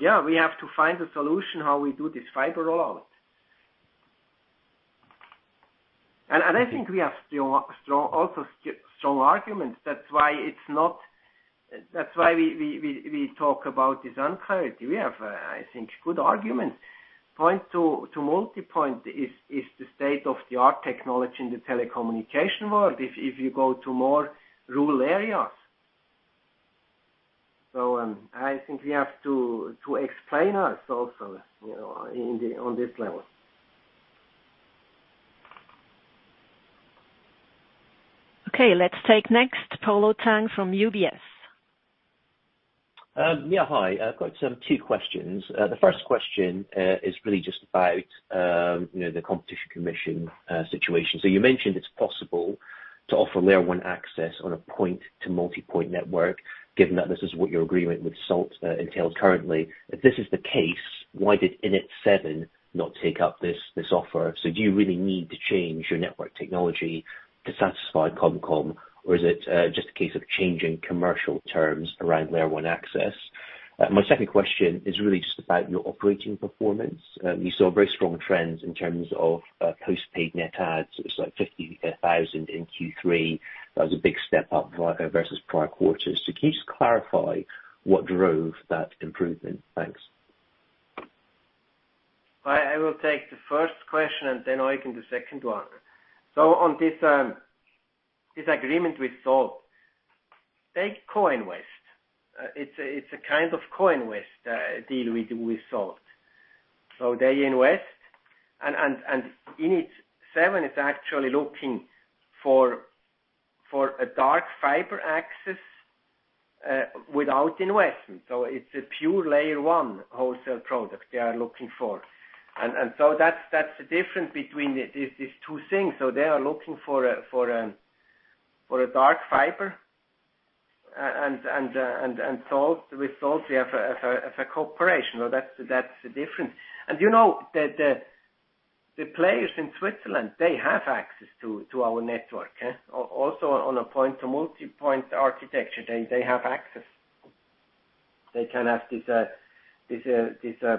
Yeah, we have to find a solution how we do this fiber rollout. I think we have still strong arguments. That's why we talk about this uncertainty. We have, I think, good arguments. Point-to-multipoint is the state-of-the-art technology in the telecommunication world if you go to more rural areas. I think we have to explain us also, you know, in the, on this level. Okay, let's take next Polo Tang from UBS. Yeah. Hi. I've got two questions. The first question is really just about, you know, the COMCO situation. You mentioned it's possible to offer Layer one access on a point-to-multipoint network, given that this is what your agreement with Salt entails currently. If this is the case, why did Init7 not take up this offer? Do you really need to change your network technology to satisfy COMCO? Or is it just a case of changing commercial terms around Layer one access? My second question is really just about your operating performance. You saw very strong trends in terms of postpaid net adds. It was like 50,000 in Q3. That was a big step up versus prior quarters. Can you just clarify what drove that improvement? Thanks. I will take the first question, and then Eugen, the second one. On this agreement with Salt, it's a co-investment. It's a kind of co-investment deal with Salt. They invest. Init7 is actually looking for a dark fiber access without investment. It's a pure Layer one wholesale product they are looking for. That's the difference between these two things. They are looking for a dark fiber. And with Salt we have a cooperation. That's the difference. You know that the players in Switzerland, they have access to our network, also on a point-to-multipoint architecture. They have access. They can have this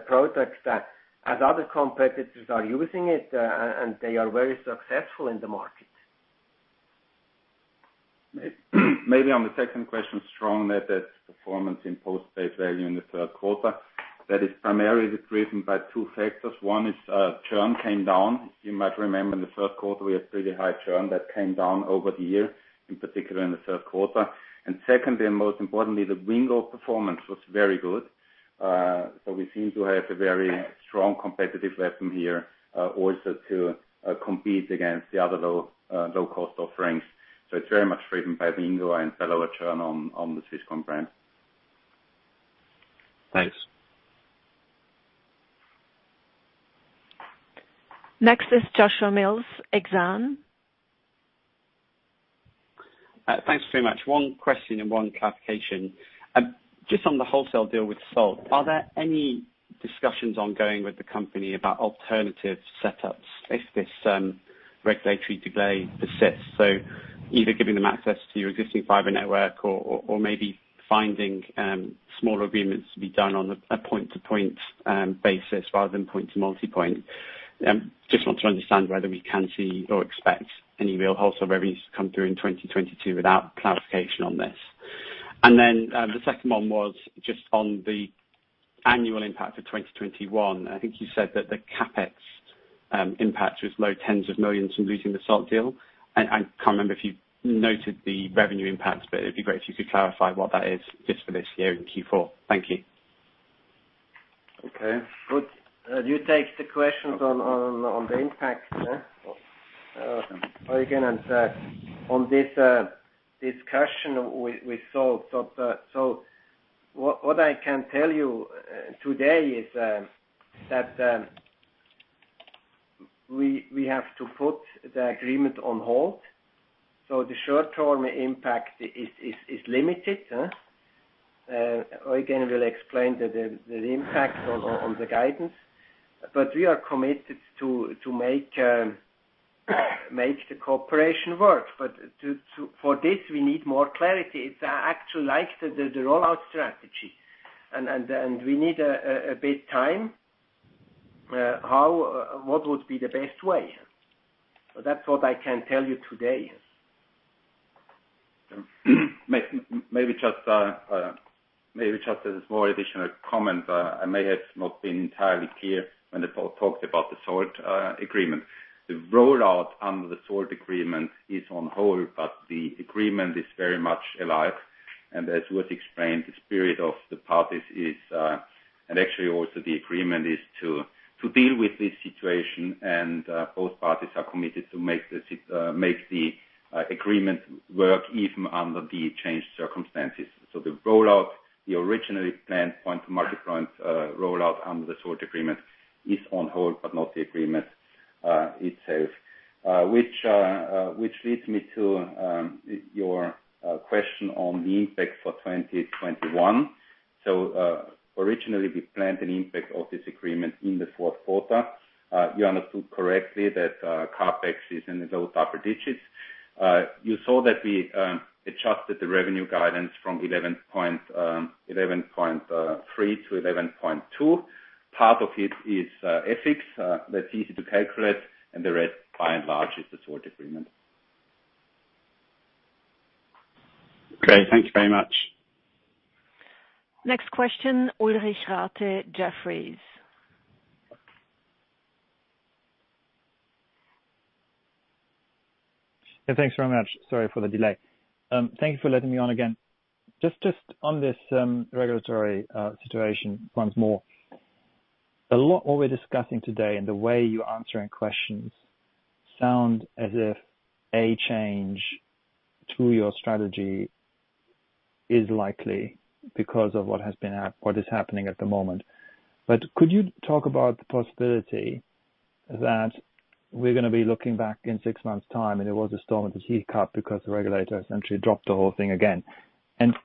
product that other competitors are using it, and they are very successful in the market. Maybe on the second question, strong net adds performance in postpaid value in the third quarter. That is primarily driven by two factors. One is, churn came down. You might remember in the first quarter, we had pretty high churn that came down over the year, in particular in the third quarter. Secondly, and most importantly, the Wingo performance was very good. We seem to have a very strong competitive weapon here, also to compete against the other low-cost offerings. It's very much driven by Wingo and lower churn on the Swisscom brand. Thanks. Next is Joshua Mills, Exane. Thanks very much. One question and one clarification. Just on the wholesale deal with Salt, are there any discussions ongoing with the company about alternative setups if this regulatory delay persists? Either giving them access to your existing fiber network or maybe finding smaller agreements to be done on a point-to-point basis rather than point-to-multipoint. Just want to understand whether we can see or expect any real wholesale revenues to come through in 2022 without clarification on this. The second one was just on the annual impact for 2021. I think you said that the CapEx impact was CHF low tens of millions from losing the Salt deal. I can't remember if you noted the revenue impacts, but it'd be great if you could clarify what that is just for this year in Q4. Thank you. Okay. Good. Do you take the questions on the impact? Eugen, and on this discussion with Salt. What I can tell you today is that we have to put the agreement on hold. The short-term impact is limited. Eugen will explain the impact on the guidance. We are committed to make the cooperation work. For this, we need more clarity. It's actually like the rollout strategy. And we need a bit of time, what would be the best way? That's what I can tell you today. Maybe just as more additional comment. I may have not been entirely clear when I talked about the Salt agreement. The rollout under the Salt agreement is on hold, but the agreement is very much alive. As was explained, the spirit of the parties is, and actually also the agreement is to deal with this situation. Both parties are committed to make the agreement work even under the changed circumstances. The rollout, the originally planned point-to-multipoint rollout under the Salt agreement is on hold, but not the agreement itself. Which leads me to your question on the impact for 2021. Originally we planned an impact of this agreement in the fourth quarter. You understood correctly that CapEx is in the low double digits. You saw that we adjusted the revenue guidance from 11.3-11.2. Part of it is FX, that's easy to calculate, and the rest, by and large, is the Salt agreement. Great. Thank you very much. Next question, Ulrich Rathe, Jefferies. Yeah, thanks very much. Sorry for the delay. Thank you for letting me on again. Just on this regulatory situation once more. A lot of what we're discussing today and the way you're answering questions sound as if a change to your strategy is likely because of what is happening at the moment. Could you talk about the possibility that we're gonna be looking back in six months' time, and there was a storm in a teacup because the regulator essentially dropped the whole thing again.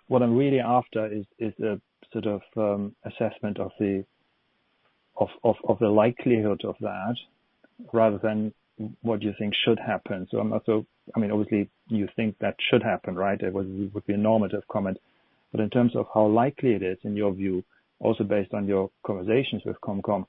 What I'm really after is a sort of assessment of the likelihood of that rather than what you think should happen. I mean, obviously you think that should happen, right? It would be a normative comment. In terms of how likely it is, in your view, also based on your conversations with COMCO,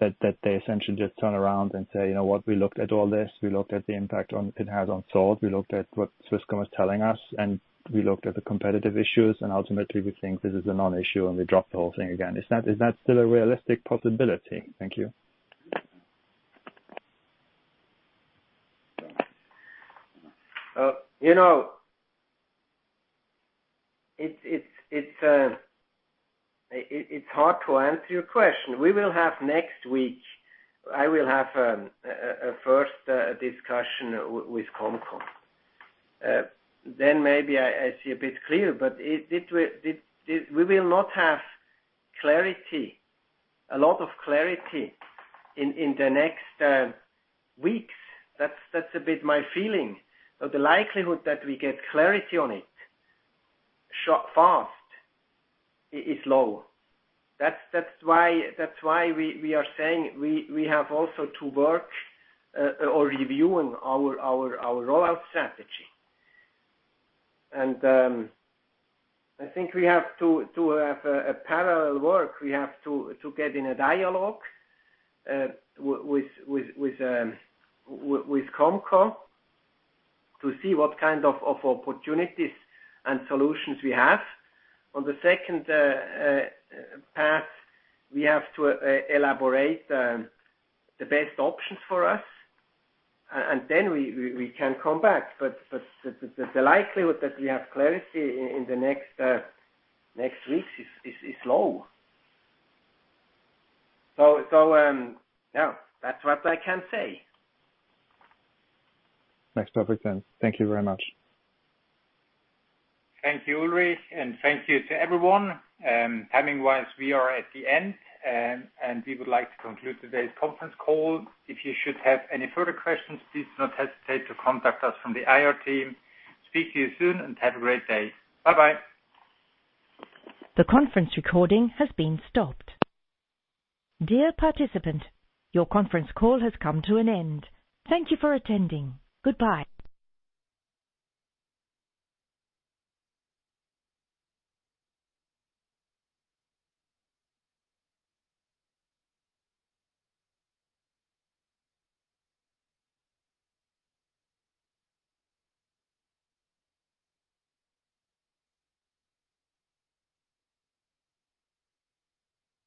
that they essentially just turn around and say, "You know what? We looked at all this. We looked at the impact that it has on Salt. We looked at what Swisscom is telling us, and we looked at the competitive issues. And ultimately we think this is a non-issue, and we drop the whole thing again." Is that still a realistic possibility? Thank you. You know, it's hard to answer your question. We will have next week. I will have a first discussion with COMCO. Then maybe I see a bit clearer. But it will—we will not have a lot of clarity in the next weeks. That's a bit my feeling. So the likelihood that we get clarity on it so fast is low. That's why we are saying we have also to work or reviewing our rollout strategy. I think we have to have a parallel work. We have to get in a dialogue with COMCO to see what kind of opportunities and solutions we have. On the second path, we have to elaborate the best options for us and then we can come back. The likelihood that we have clarity in the next weeks is low. Yeah, that's what I can say. Next topic then. Thank you very much. Thank you, Ulrich, and thank you to everyone. Timing-wise, we are at the end. We would like to conclude today's conference call. If you should have any further questions, please do not hesitate to contact us from the IR team. Speak to you soon, and have a great day. Bye-bye. The conference recording has been stopped. Dear participant, your conference call has come to an end. Thank you for attending. Goodbye.